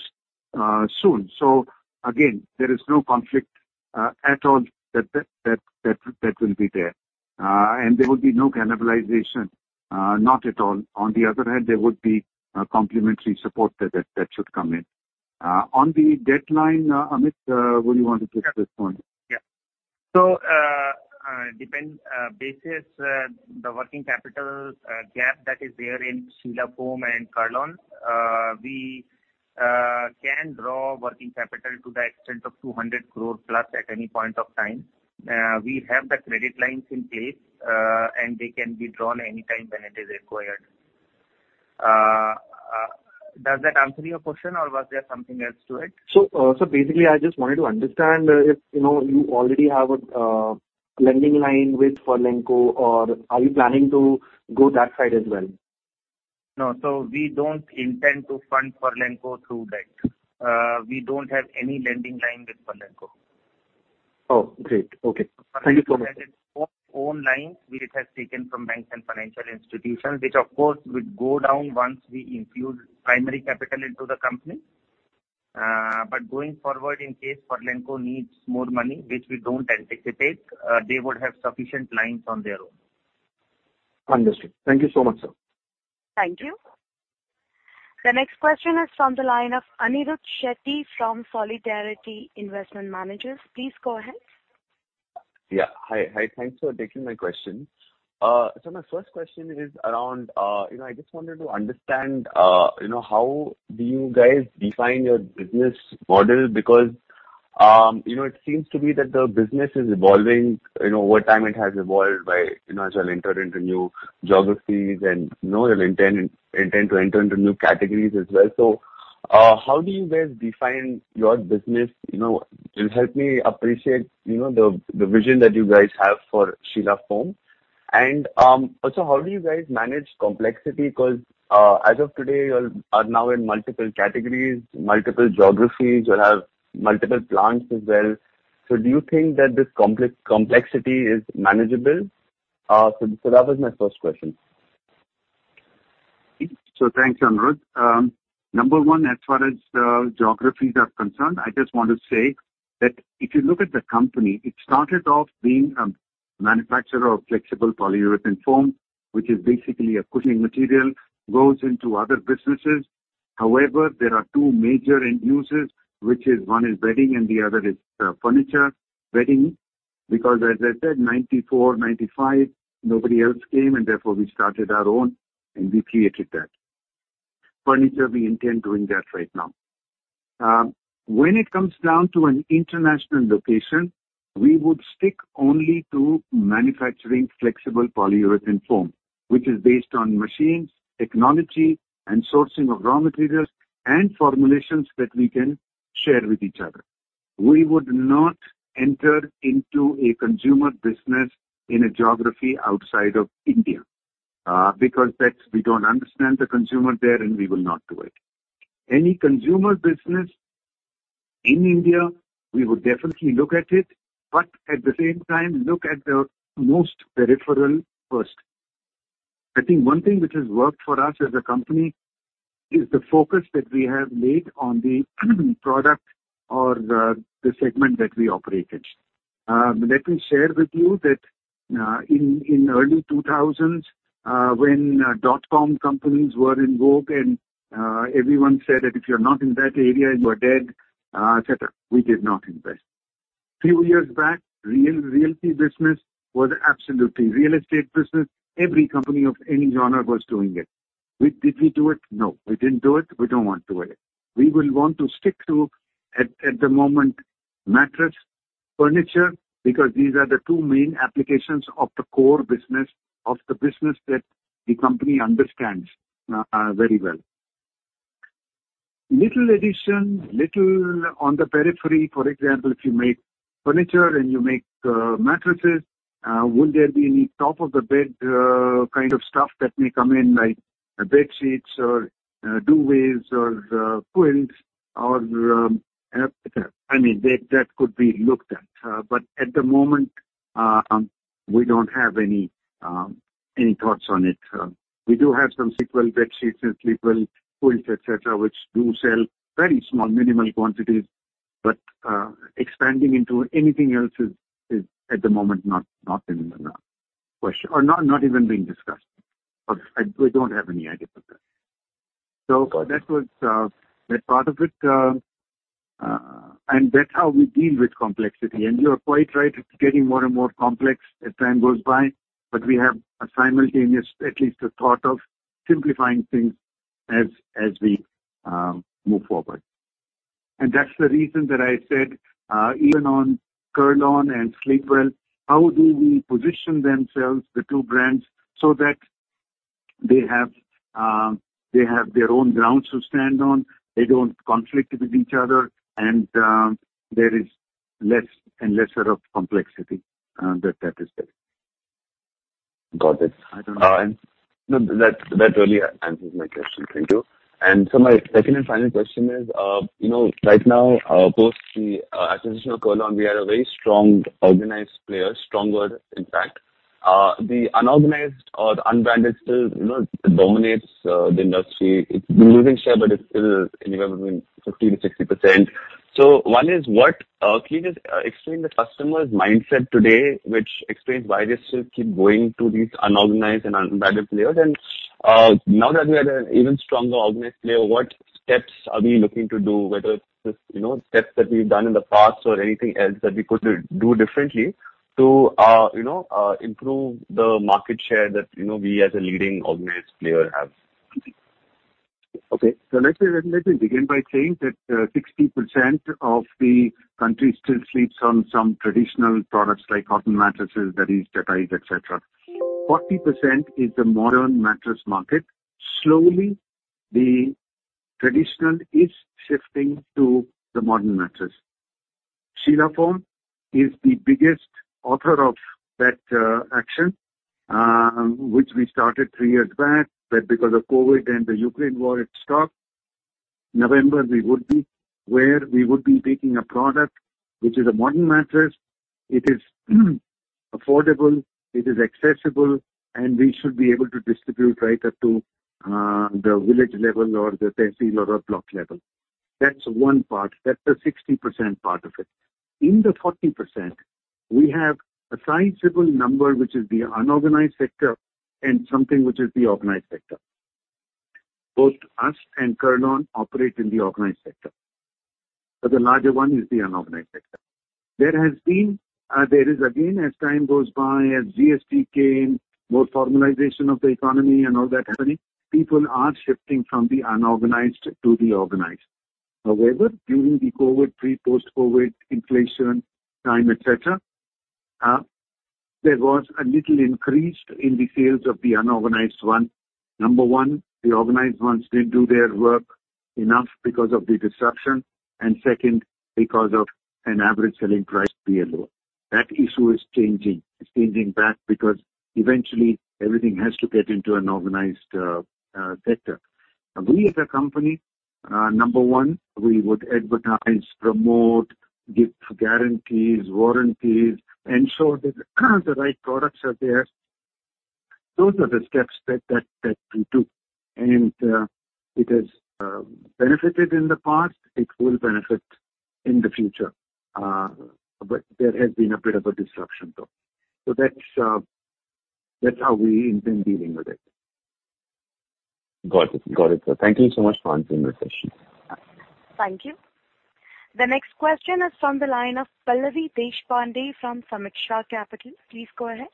soon. So again, there is no conflict at all that will be there. There will be no cannibalization, not at all. On the other hand, there would be complementary support that should come in. On the debt line, Amit, where do you want to put this point? Yeah. So, depending on the basis of the working capital gap that is there in Sheela Foam and Kurlon, we can draw working capital to the extent of 200 crore plus at any point of time. We have the credit lines in place, and they can be drawn anytime when it is required. Does that answer your question? Or was there something else to it? So basically, I just wanted to understand if, you know, you already have a lending line with Furlenco. Or are you planning to go that side as well? No. So we don't intend to fund Furlenco through debt. We don't have any lending line with Furlenco. Oh, great. Okay. Thank you so much. So that is own lines which it has taken from banks and financial institutions, which, of course, would go down once we infuse primary capital into the company. But going forward, in case Furlenco needs more money, which we don't anticipate, they would have sufficient lines on their own. Understood. Thank you so much, sir. Thank you. The next question is from the line of Anirudh Shetty from Solidarity Investment Managers. Please go ahead. Yeah. Hi, hi. Thanks for taking my question. So my first question is around, you know, I just wanted to understand, you know, how do you guys define your business model? Because, you know, it seems to be that the business is evolving, you know, over time. It has evolved by, you know, as you'll enter into new geographies and, you know, you'll intend to enter into new categories as well. So, how do you guys define your business? You know, help me appreciate, you know, the vision that you guys have for Sheela Foam. And, also, how do you guys manage complexity? Because, as of today, you are now in multiple categories, multiple geographies. You have multiple plants as well. So do you think that this complexity is manageable? So that was my first question. So thanks, Anirudh. Number one, as far as the geographies are concerned, I just want to say that if you look at the company, it started off being a manufacturer of flexible polyurethane foam, which is basically a cushioning material, goes into other businesses. However, there are two major end uses, which is one is bedding and the other is, furniture bedding. Because, as I said, 1994, 1995, nobody else came. And therefore, we started our own. And we created that. Furniture, we intend doing that right now. When it comes down to an international location, we would stick only to manufacturing flexible polyurethane foam, which is based on machines, technology, and sourcing of raw materials and formulations that we can share with each other. We would not enter into a consumer business in a geography outside of India, because that's we don't understand the consumer there. And we will not do it. Any consumer business in India, we would definitely look at it. But at the same time, look at the most peripheral first. I think one thing which has worked for us as a company is the focus that we have laid on the product or the segment that we operate in. Let me share with you that in the early 2000s, when dot-com companies were in vogue and everyone said that if you're not in that area, you are dead, etc., we did not invest. A few years back, realty business was absolutely real estate business. Every company of any genre was doing it. We did we do it? No. We didn't do it. We don't want to do it. We will want to stick to at the moment mattress, furniture, because these are the two main applications of the core business of the business that the company understands very well. little addition, a little on the periphery, for example, if you make furniture and you make mattresses, will there be any top-of-the-bed kind of stuff that may come in, like bedsheets or duvets or quilts or etc.? I mean, that, that could be looked at. But at the moment, we don't have any, any thoughts on it. We do have some Sleepwell bedsheets and Sleepwell quilts, etc., which do sell very small, minimal quantities. But expanding into anything else is, is at the moment not, not in the question or not, not even being discussed. But I, we don't have any idea about that. So that was that part of it, and that's how we deal with complexity. And you are quite right. It's getting more and more complex as time goes by. But we have a simultaneous, at least, a thought of simplifying things as, as we move forward. That's the reason that I said, even on Kurlon and Sleepwell, how do we position themselves, the two brands, so that they have, they have their own grounds to stand on? They don't conflict with each other. And, there is less and lesser of complexity, that, that is there. Got it. And no, that, that really answers my question. Thank you. And so my second and final question is, you know, right now, post the acquisition of Kurlon, we are a very strong organized player, stronger, in fact. The unorganized or the unbranded still, you know, dominates the industry. It's been losing share. But it's still anywhere between 50%-60%. So one is, what, can you just explain the customer's mindset today, which explains why they still keep going to these unorganized and unbranded players? Now that we are an even stronger organized player, what steps are we looking to do, whether it's this, you know, steps that we've done in the past or anything else that we could do differently to, you know, improve the market share that, you know, we as a leading organized player have? Okay. So let me, let me begin by saying that, 60% of the country still sleeps on some traditional products like cotton mattresses, that is, chatais, etc. 40% is the modern mattress market. Slowly, the traditional is shifting to the modern mattress. Sheela Foam is the biggest author of that, action, which we started 3 years back. But because of COVID and the Ukraine war, it stopped. November, we would be where we would be making a product which is a modern mattress. It is affordable. It is accessible. We should be able to distribute right up to the village level or the tehsil or a block level. That's one part. That's the 60% part of it. In the 40%, we have a sizable number which is the unorganized sector and something which is the organized sector. Both us and Kurlon operate in the organized sector. But the larger one is the unorganized sector. There is, again, as time goes by, as GST came, more formalization of the economy and all that happening, people are shifting from the unorganized to the organized. However, during the COVID pre, post-COVID inflation time, etc., there was a little increase in the sales of the unorganized one. Number one, the organized ones didn't do their work enough because of the disruption. And second, because of an average selling price being lower. That issue is changing. It's changing back because, eventually, everything has to get into an organized sector. We, as a company, number one, we would advertise, promote, give guarantees, warranties, ensure that the right products are there. Those are the steps that we do. And it has benefited in the past, it will benefit in the future. But there has been a bit of a disruption, though. So that's how we intend dealing with it. Got it. Got it, sir. Thank you so much, Pavan, for your session. Thank you. The next question is from the line of Pallavi Deshpande from Sameeksha Capital. Please go ahead.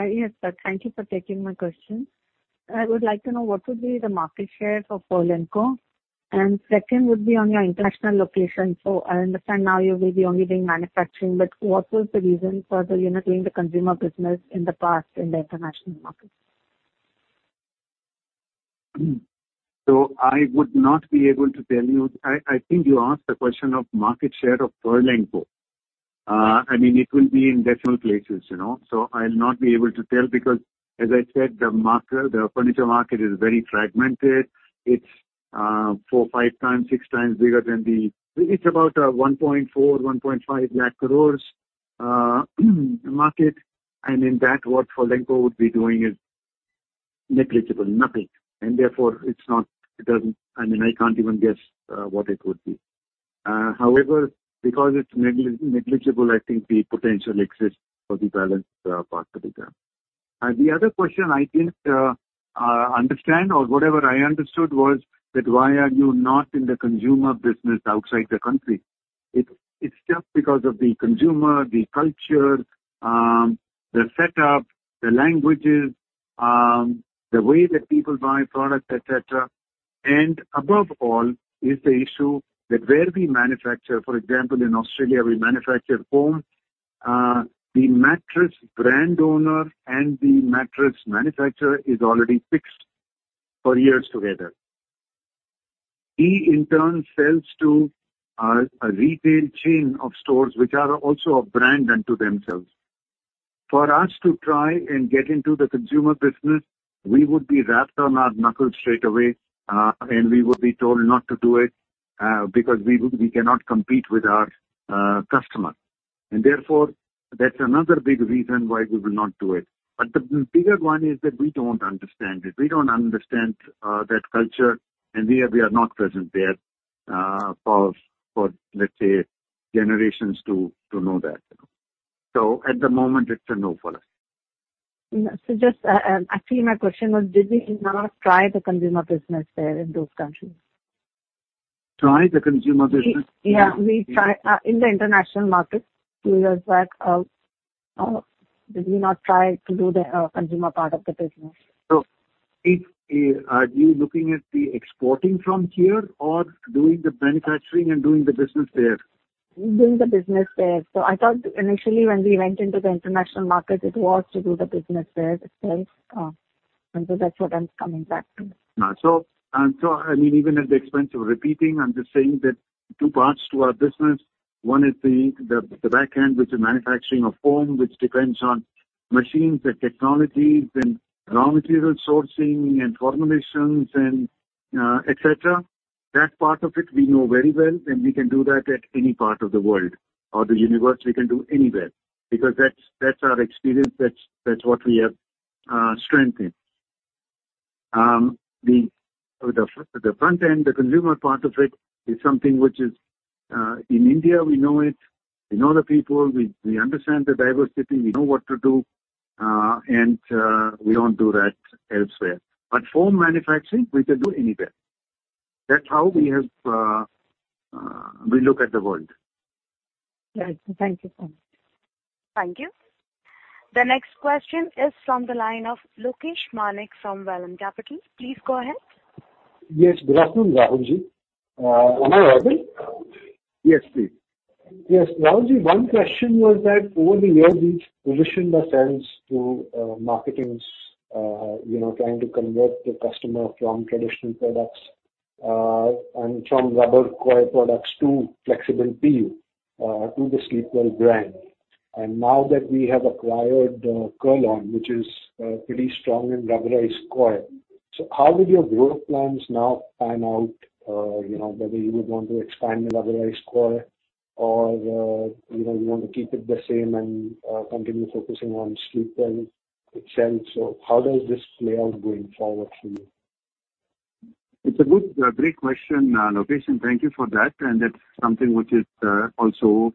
Yes, sir. Thank you for taking my question. I would like to know, what would be the market share for Furlenco? And second would be on your international location. So I understand now you will be only doing manufacturing. But what was the reason for the, you know, doing the consumer business in the past in the international market? So I would not be able to tell you. I, I think you asked the question of market share of Furlenco. I mean, it will be in places, you know? So I'll not be able to tell because, as I said, the market, the furniture market is very fragmented. It's 4-6 times bigger than the; it's about 140,000-150,000 crore market. And in that, what Furlenco would be doing is negligible, nothing. And therefore, it's not; it doesn't. I mean, I can't even guess what it would be. However, because it's negligible, I think the potential exists for the balanced part to be done. The other question I didn't understand or whatever I understood was that, why are you not in the consumer business outside the country? It's just because of the consumer, the culture, the setup, the languages, the way that people buy products, etc. And above all is the issue that where we manufacture, for example, in Australia, we manufacture foam. The mattress brand owner and the mattress manufacturer is already fixed for years together. He, in turn, sells to a retail chain of stores which are also a brand unto themselves. For us to try and get into the consumer business, we would be rapped on our knuckles straight away. And we would be told not to do it, because we cannot compete with our customer. And therefore, that's another big reason why we will not do it. But the bigger one is that we don't understand it. We don't understand that culture. And we are not present there, for let's say, generations to know that, you know? So at the moment, it's a no for us. So just, I think my question was, did we not try the consumer business there in those countries? Try the consumer business? Yeah. We tried, in the international market 2 years back, did we not try to do the consumer part of the business? So if, are you looking at the exporting from here or doing the manufacturing and doing the business there? Doing the business there. So I thought, initially, when we went into the international market, it was to do the business there itself. And so that's what I'm coming back to. I mean, even at the expense of repeating, I'm just saying that two parts to our business. One is the back end, which is manufacturing of foam, which depends on machines and technologies and raw material sourcing and formulations and etc. That part of it, we know very well. And we can do that at any part of the world or the universe. We can do anywhere because that's our experience. That's what we have strength in. The front end, the consumer part of it is something which, in India, we know it. We know the people. We understand the diversity. We know what to do. We don't do that elsewhere. But foam manufacturing, we can do anywhere. That's how we look at the world. Right. Thank you so much. Thank you. The next question is from the line of Lokesh Maru from Vallum Capital. Please go ahead. Yes. Good afternoon, Rahulji. Am I audible? Yes, please. Yes. Rahulji, one question was that, over the years, we've positioned ourselves to, marketing's, you know, trying to convert the customer from traditional products, and from rubberized coir products to flexible PU, to the Sleepwell brand. And now that we have acquired, Kurlon, which is, pretty strong in rubberized coir, so how would your growth plans now pan out, you know, whether you would want to expand. Rubberized coir or, you know, you want to keep it the same and, continue focusing on Sleepwell itself? So how does this play out going forward for you? It's a good, great question, Lokesh. And thank you for that. And that's something which is, also,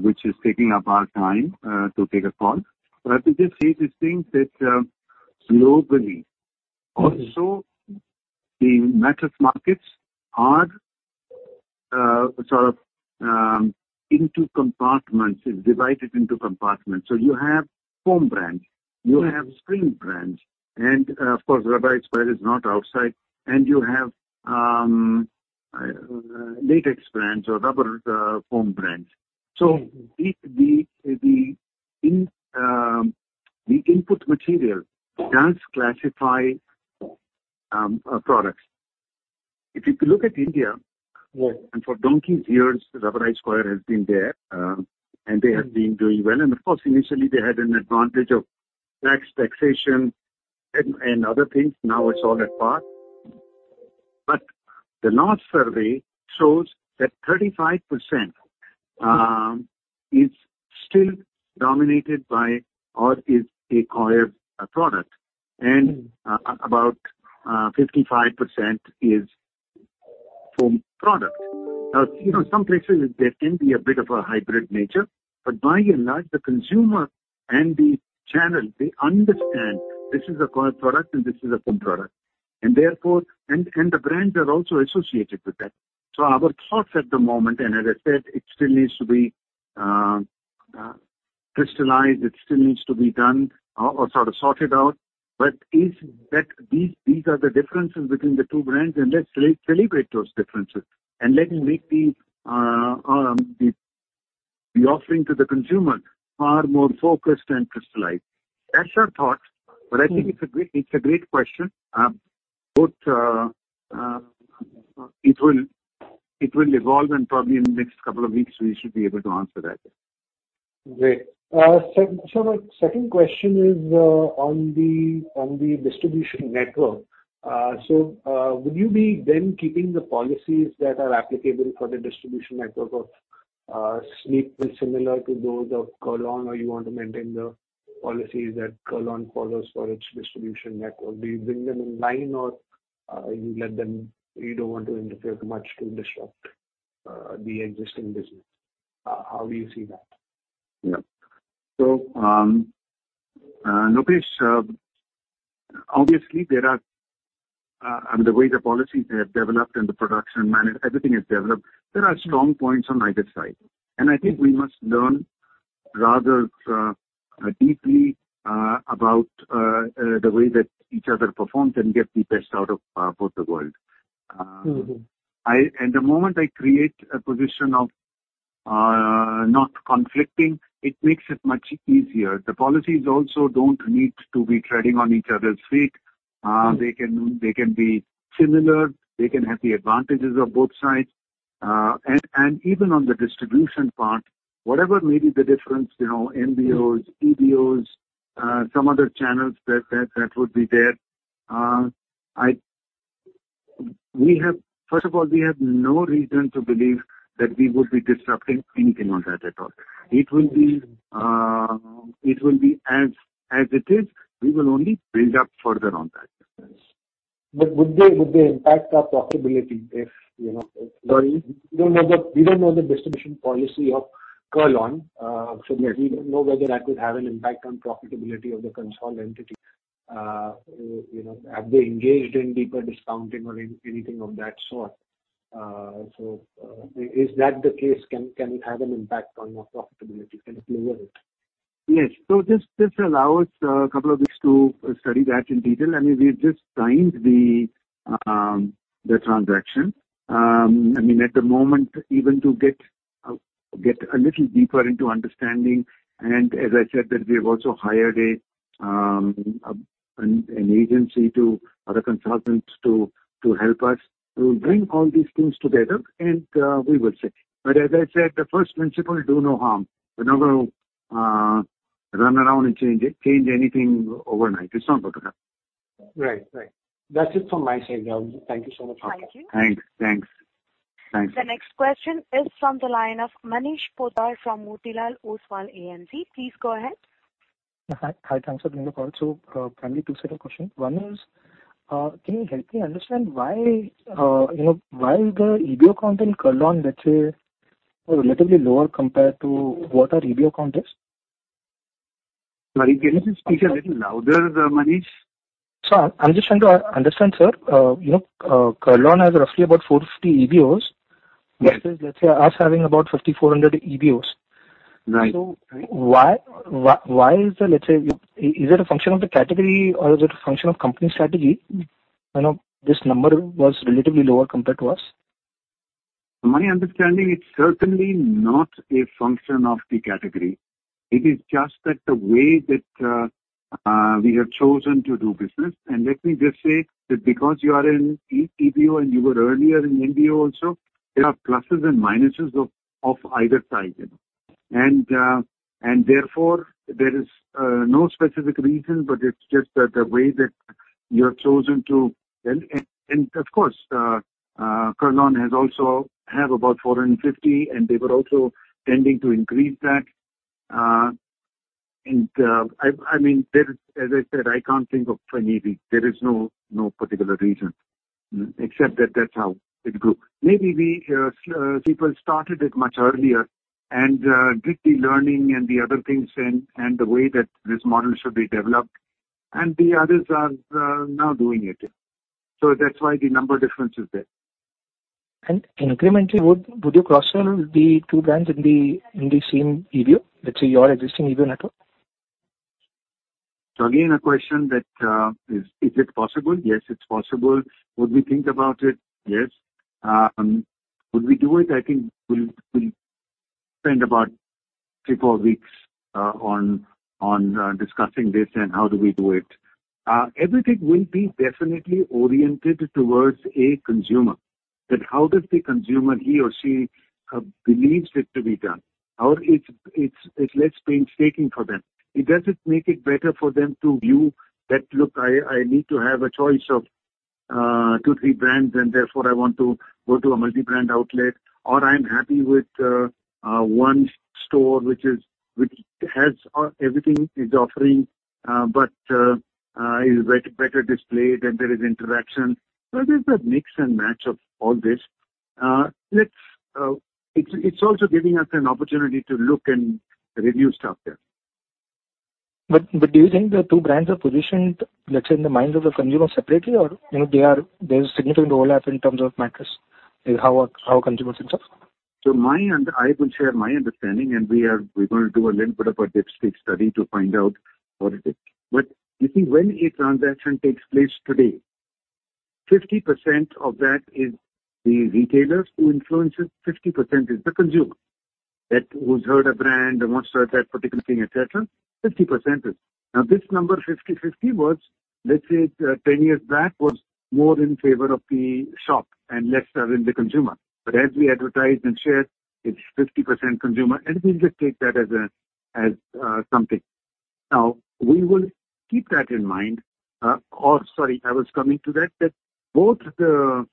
which is taking up our time, to take a call. But I could just say this thing that, globally, also, the mattress markets are, sort of, into compartments. It's divided into compartments. So you have foam brands. You have spring brands. And, of course, rubberized coir is not outside. And you have latex brands or rubber foam brands. So the input material does classify products. If you look at India. Yeah. And for donkey's years, rubberized coir has been there, and they have been doing well. And of course, initially, they had an advantage of taxation and other things. Now it's all at par. But the last survey shows that 35% is still dominated by or is a coir product. And about 55% is foam product. Now, you know, some places, there can be a bit of a hybrid nature. But by and large, the consumer and the channel, they understand, "This is a coir product. And this is a foam product." And therefore, the brands are also associated with that. So our thoughts at the moment and, as I said, it still needs to be crystallized. It still needs to be done or sort of sorted out. But that these are the differences between the two brands. And let's celebrate those differences and let them make the offering to the consumer far more focused and crystallized. That's our thought. But I think it's a great question. Both, it will evolve. And probably in the next couple of weeks, we should be able to answer that. Great. So my second question is, on the distribution network. So, would you be then keeping the policies that are applicable for the distribution network of Sleepwell similar to those of Kurlon? Or you want to maintain the policies that Kurlon follows for its distribution network? Do you bring them in line? Or, you let them you don't want to interfere too much to disrupt the existing business? How do you see that? Yeah. So, Lokesh, obviously, there are—I mean, the way the policies have developed and the production management, everything is developed. There are strong points on either side. And I think we must learn rather deeply about the way that each other performs and get the best out of both the world. In the moment I create a position of not conflicting, it makes it much easier. The policies also don't need to be treading on each other's feet. They can, they can be similar. They can have the advantages of both sides. Even on the distribution part, whatever may be the difference, you know, MBOs, EBOs, some other channels that would be there, we have first of all, we have no reason to believe that we would be disrupting anything on that at all. It will be as it is. We will only build up further on that. But would they impact our profitability if, you know, if. Sorry? We don't know the distribution policy of Kurlon, so we don't know whether that would have an impact on profitability of the consolidated entity. You know, have they engaged in deeper discounting or anything of that sort? So, is that the case? Can it have an impact on our profitability? Can it lower it? Yes. So this allows a couple of weeks to study that in detail. I mean, we've just signed the transaction. I mean, at the moment, even to get a little deeper into understanding. And as I said, that we have also hired an agency or a consultant to help us. We will bring all these things together. And we will see. But as I said, the first principle, do no harm. We're not going to run around and change it, change anything overnight. It's not going to happen. Right. Right. That's it from my side, Rahulji. Thank you so much for your time. Thank you. Thanks. Thanks. Thanks. The next question is from the line of Manish Poddar from Motilal Oswal. Please go ahead. Hi. Hi, thanks for bringing the call. So, finally, two set of questions. One is, can you help me understand why, you know, why is the EBO count in Kurlon, let's say, relatively lower compared to what our EBO count is? Sorry. Can you please speak a little louder, Manish? So I'm just trying to understand, sir. You know, Kurlon has roughly about 450 EBOs versus, let's say, us having about 5,400 EBOs. Right. So why, why, why is the, let's say, you know, is it a function of the category? Or is it a function of company strategy? You know, this number was relatively lower compared to us. From my understanding, it's certainly not a function of the category. It is just that the way that we have chosen to do business. And let me just say that because you are in EBO and you were earlier in MBO also, there are pluses and minuses of either side, you know? Therefore, there is no specific reason. But it's just that the way that you have chosen to, and of course, Kurlon has also have about 450. And they were also tending to increase that. I mean, there is as I said, I can't think of anything. There is no particular reason except that that's how it grew. Maybe people started it much earlier and did the learning and the other things and the way that this model should be developed. And the others are now doing it, you know? So that's why the number difference is there. And incrementally, would you cross-sell the two brands in the same EBO, let's say, your existing EBO network? So again, a question that is it possible? Yes, it's possible. Would we think about it? Yes. Would we do it? I think we'll spend about 3-4 weeks on discussing this and how do we do it. Everything will be definitely oriented towards a consumer, that how does the consumer, he or she, believes it to be done? Or it's less painstaking for them. It doesn't make it better for them to view that, "Look, I need to have a choice of 2-3 brands. And therefore, I want to go to a multi-brand outlet. Or I'm happy with one store, which has everything is offering, but is better displayed. And there is interaction." So there's that mix and match of all this. It's also giving us an opportunity to look and review stuff there. But do you think the two brands are positioned, let's say, in the minds of the consumer separately? Or, you know, there is a significant overlap in terms of mattress, how a consumer thinks of. So, my understanding. I will share my understanding. And we're going to do a little bit of a deep, deep study to find out what it is. But you see, when a transaction takes place today, 50% of that is the retailer who influences. 50% is the consumer who's heard a brand and wants that particular thing, etc. Now, this number, 50/50, was, let's say, 10 years back, more in favor of the shop and less in the consumer. But as we advertise and share, it's 50% consumer. And we just take that as a, something. Now, we will keep that in mind. Or sorry. I was coming to that, that both the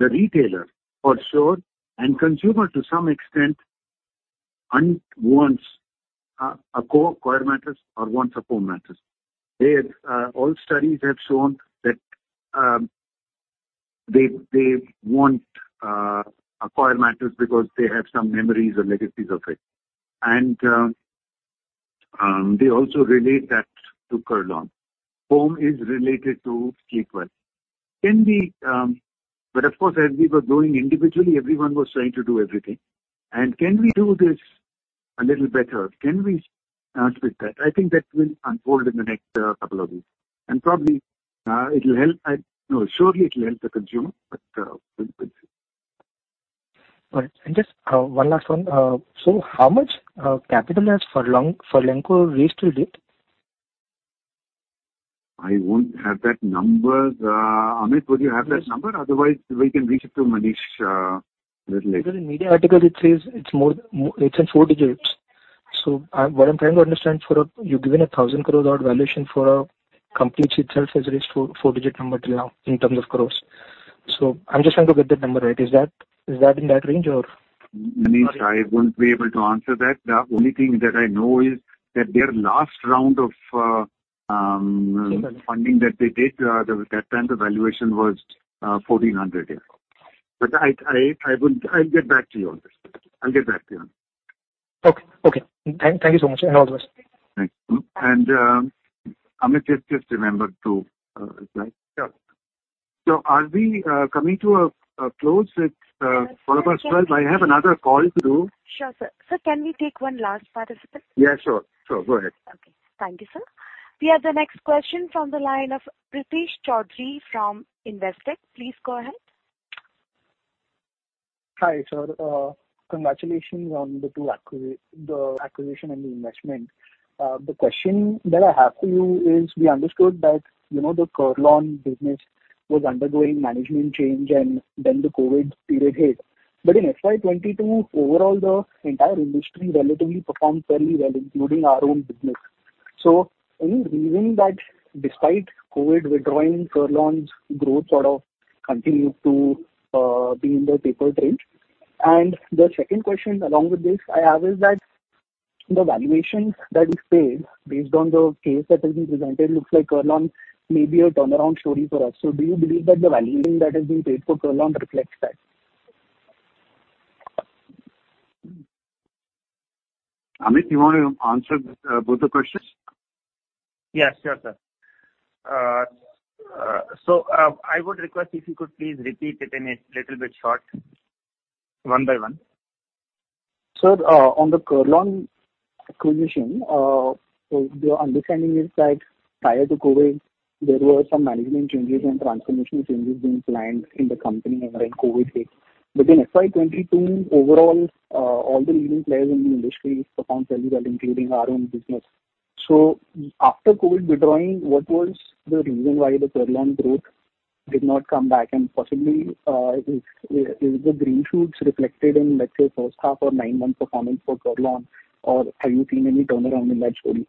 retailer for sure and consumer, to some extent, wants a coil mattress or wants a foam mattress. They, all studies have shown that, they, they want a coil mattress because they have some memories or legacies of it. And they also relate that to Kurlon. Foam is related to Sleepwell. Can we, but of course, as we were going individually, everyone was trying to do everything. And can we do this a little better? Can we answer that? I think that will unfold in the next couple of weeks. And probably, it'll help I no, surely, it'll help the consumer. But we'll see. All right. And just one last one. So how much capital has Furlenco raised to date? I won't have that number. Amit, would you have that number? Otherwise, we can reach it to Manish a little later. So, in the media article, it says, it's more. It's in four digits. So, what I'm trying to understand—for, you've given a 1,000 crore dollar valuation for a company. Which itself has raised a four-digit number till now in terms of crores. So, I'm just trying to get that number right. Is that in that range? Or, Manish, I won't be able to answer that. The only thing that I know is that their last round of funding that they did, that time, the valuation was 1,400 crore, you know? But I will. I'll get back to you on this. I'll get back to you on this. Okay. Okay. Thank you so much. And all the best. Thanks. And, Amit, just, just remember to—is that? Yeah. So, are we coming to a close at about 12:00 P.M.? I have another call to do. Sure, sir. Sir, can we take one last participant? Yeah, sure. Sure. Go ahead. Okay. Thank you, sir. We have the next question from the line of Pritesh Chheda from Investec. Please go ahead. Hi, sir. Congratulations on the two acquisitions, the acquisition and the investment. The question that I have for you is, we understood that, you know, the Kurlon business was undergoing management change. And then the COVID period hit. But in FY 2022, overall, the entire industry relatively performed fairly well, including our own business. So any reason that, despite COVID withdrawing, Kurlon's growth sort of continued to be in the tapered range? And the second question along with this I have is that the valuation that we've paid based on the case that has been presented looks like Kurlon may be a turnaround story for us. So do you believe that the valuation that has been paid for Kurlon reflects that? Amit, you want to answer both the questions? Yes. Sure, sir. So, I would request if you could please repeat it in a little bit short, one by one. Sir, on the Kurlon acquisition, so the understanding is that prior to COVID, there were some management changes and transformational changes being planned in the company and when COVID hit. But in FY 2022, overall, all the leading players in the industry performed fairly well, including our own business. So after COVID withdrawing, what was the reason why the Kurlon growth did not come back? And possibly, is the green shoots reflected in, let's say, first half or nine-month performance for Kurlon? Or have you seen any turnaround in that story?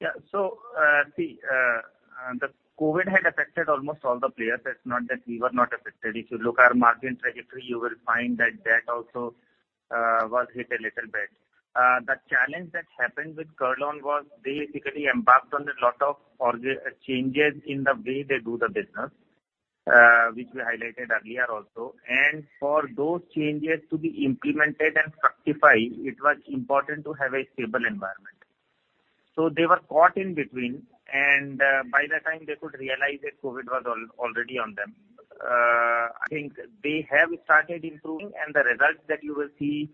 Yeah. So, see, the COVID had affected almost all the players. It's not that we were not affected. If you look at our margin trajectory, you will find that that also was hit a little bit. The challenge that happened with Kurlon was they basically embarked on a lot of organizational changes in the way they do the business, which we highlighted earlier also. And by the time they could realize that COVID was already on them. I think they have started improving. And the results that you will see,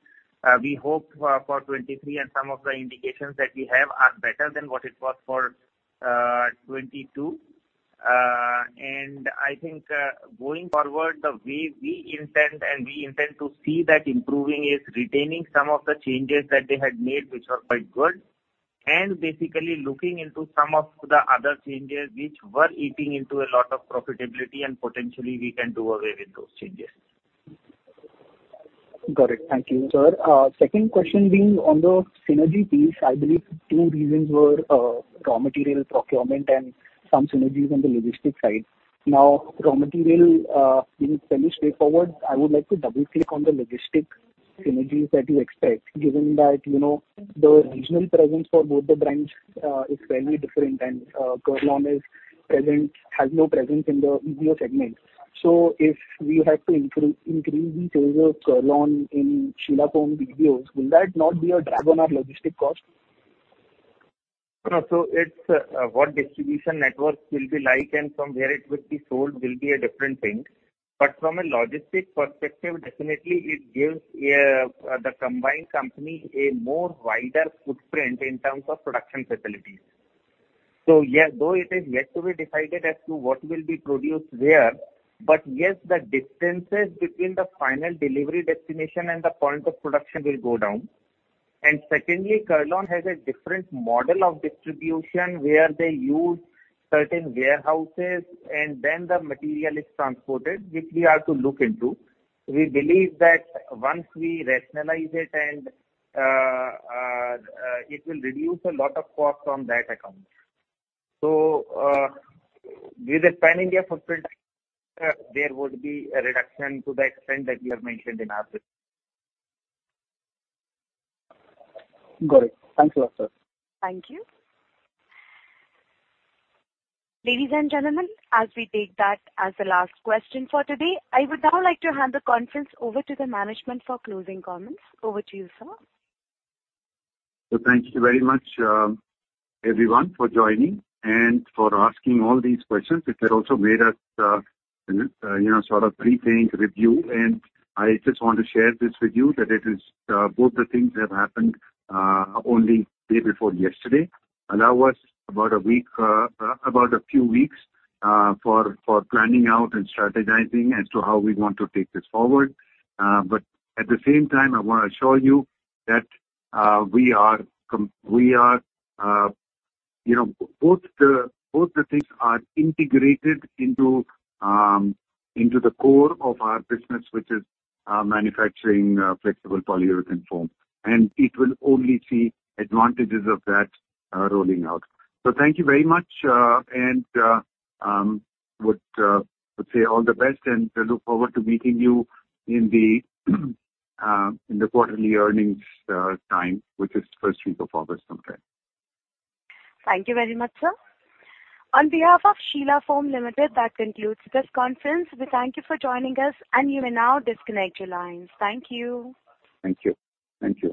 we hope, for 2023 and some of the indications that we have are better than what it was for 2022. And I think, going forward, the way we intend and we intend to see that improving is retaining some of the changes that they had made, which are quite good, and basically looking into some of the other changes, which were eating into a lot of profitability. And potentially, we can do away with those changes. Got it. Thank you, sir. Second question being on the synergy piece, I believe two reasons were, raw material procurement and some synergies on the logistics side. Now, raw material, being fairly straightforward, I would like to double-click on the logistics synergies that you expect, given that, you know, the regional presence for both the brands, is fairly different. And, Kurlon has no presence in the EBO segment. So if we have to increase the sales of Kurlon in Sheela Foam EBOs, will that not be a drag on our logistics cost? No. So it's, what distribution network will be like and from where it will be sold will be a different thing. But from a logistics perspective, definitely, it gives the combined company a more wider footprint in terms of production facilities. So yes, though it is yet to be decided as to what will be produced where, but yes, the distances between the final delivery destination and the point of production will go down. And secondly, Kurlon has a different model of distribution where they use certain warehouses. And then the material is transported, which we are to look into. We believe that once we rationalize it and, it will reduce a lot of costs on that account. So, with a Pan-India footprint, there would be a reduction to the extent that you have mentioned in our business. Got it. Thanks a lot, sir. Thank you. Ladies and gentlemen, as we take that as the last question for today, I would now like to hand the conference over to the management for closing comments. Over to you, sir. So thanks very much, everyone for joining and for asking all these questions. It has also made us, you know, sort of rethink, review. And I just want to share this with you, that it is, both the things have happened, only the day before yesterday. Allow us about a week, about a few weeks, for, for planning out and strategizing as to how we want to take this forward. But at the same time, I want to assure you that, we are committed, we are, you know, both the both the things are integrated into, into the core of our business, which is, manufacturing, flexible polyurethane foam. And it will only see advantages of that, rolling out. So thank you very much. And would say all the best. I look forward to meeting you in the quarterly earnings time, which is the first week of August sometime. Thank you very much, sir. On behalf of Sheela Foam Limited, that concludes this conference. We thank you for joining us. You may now disconnect your lines. Thank you. Thank you. Thank you.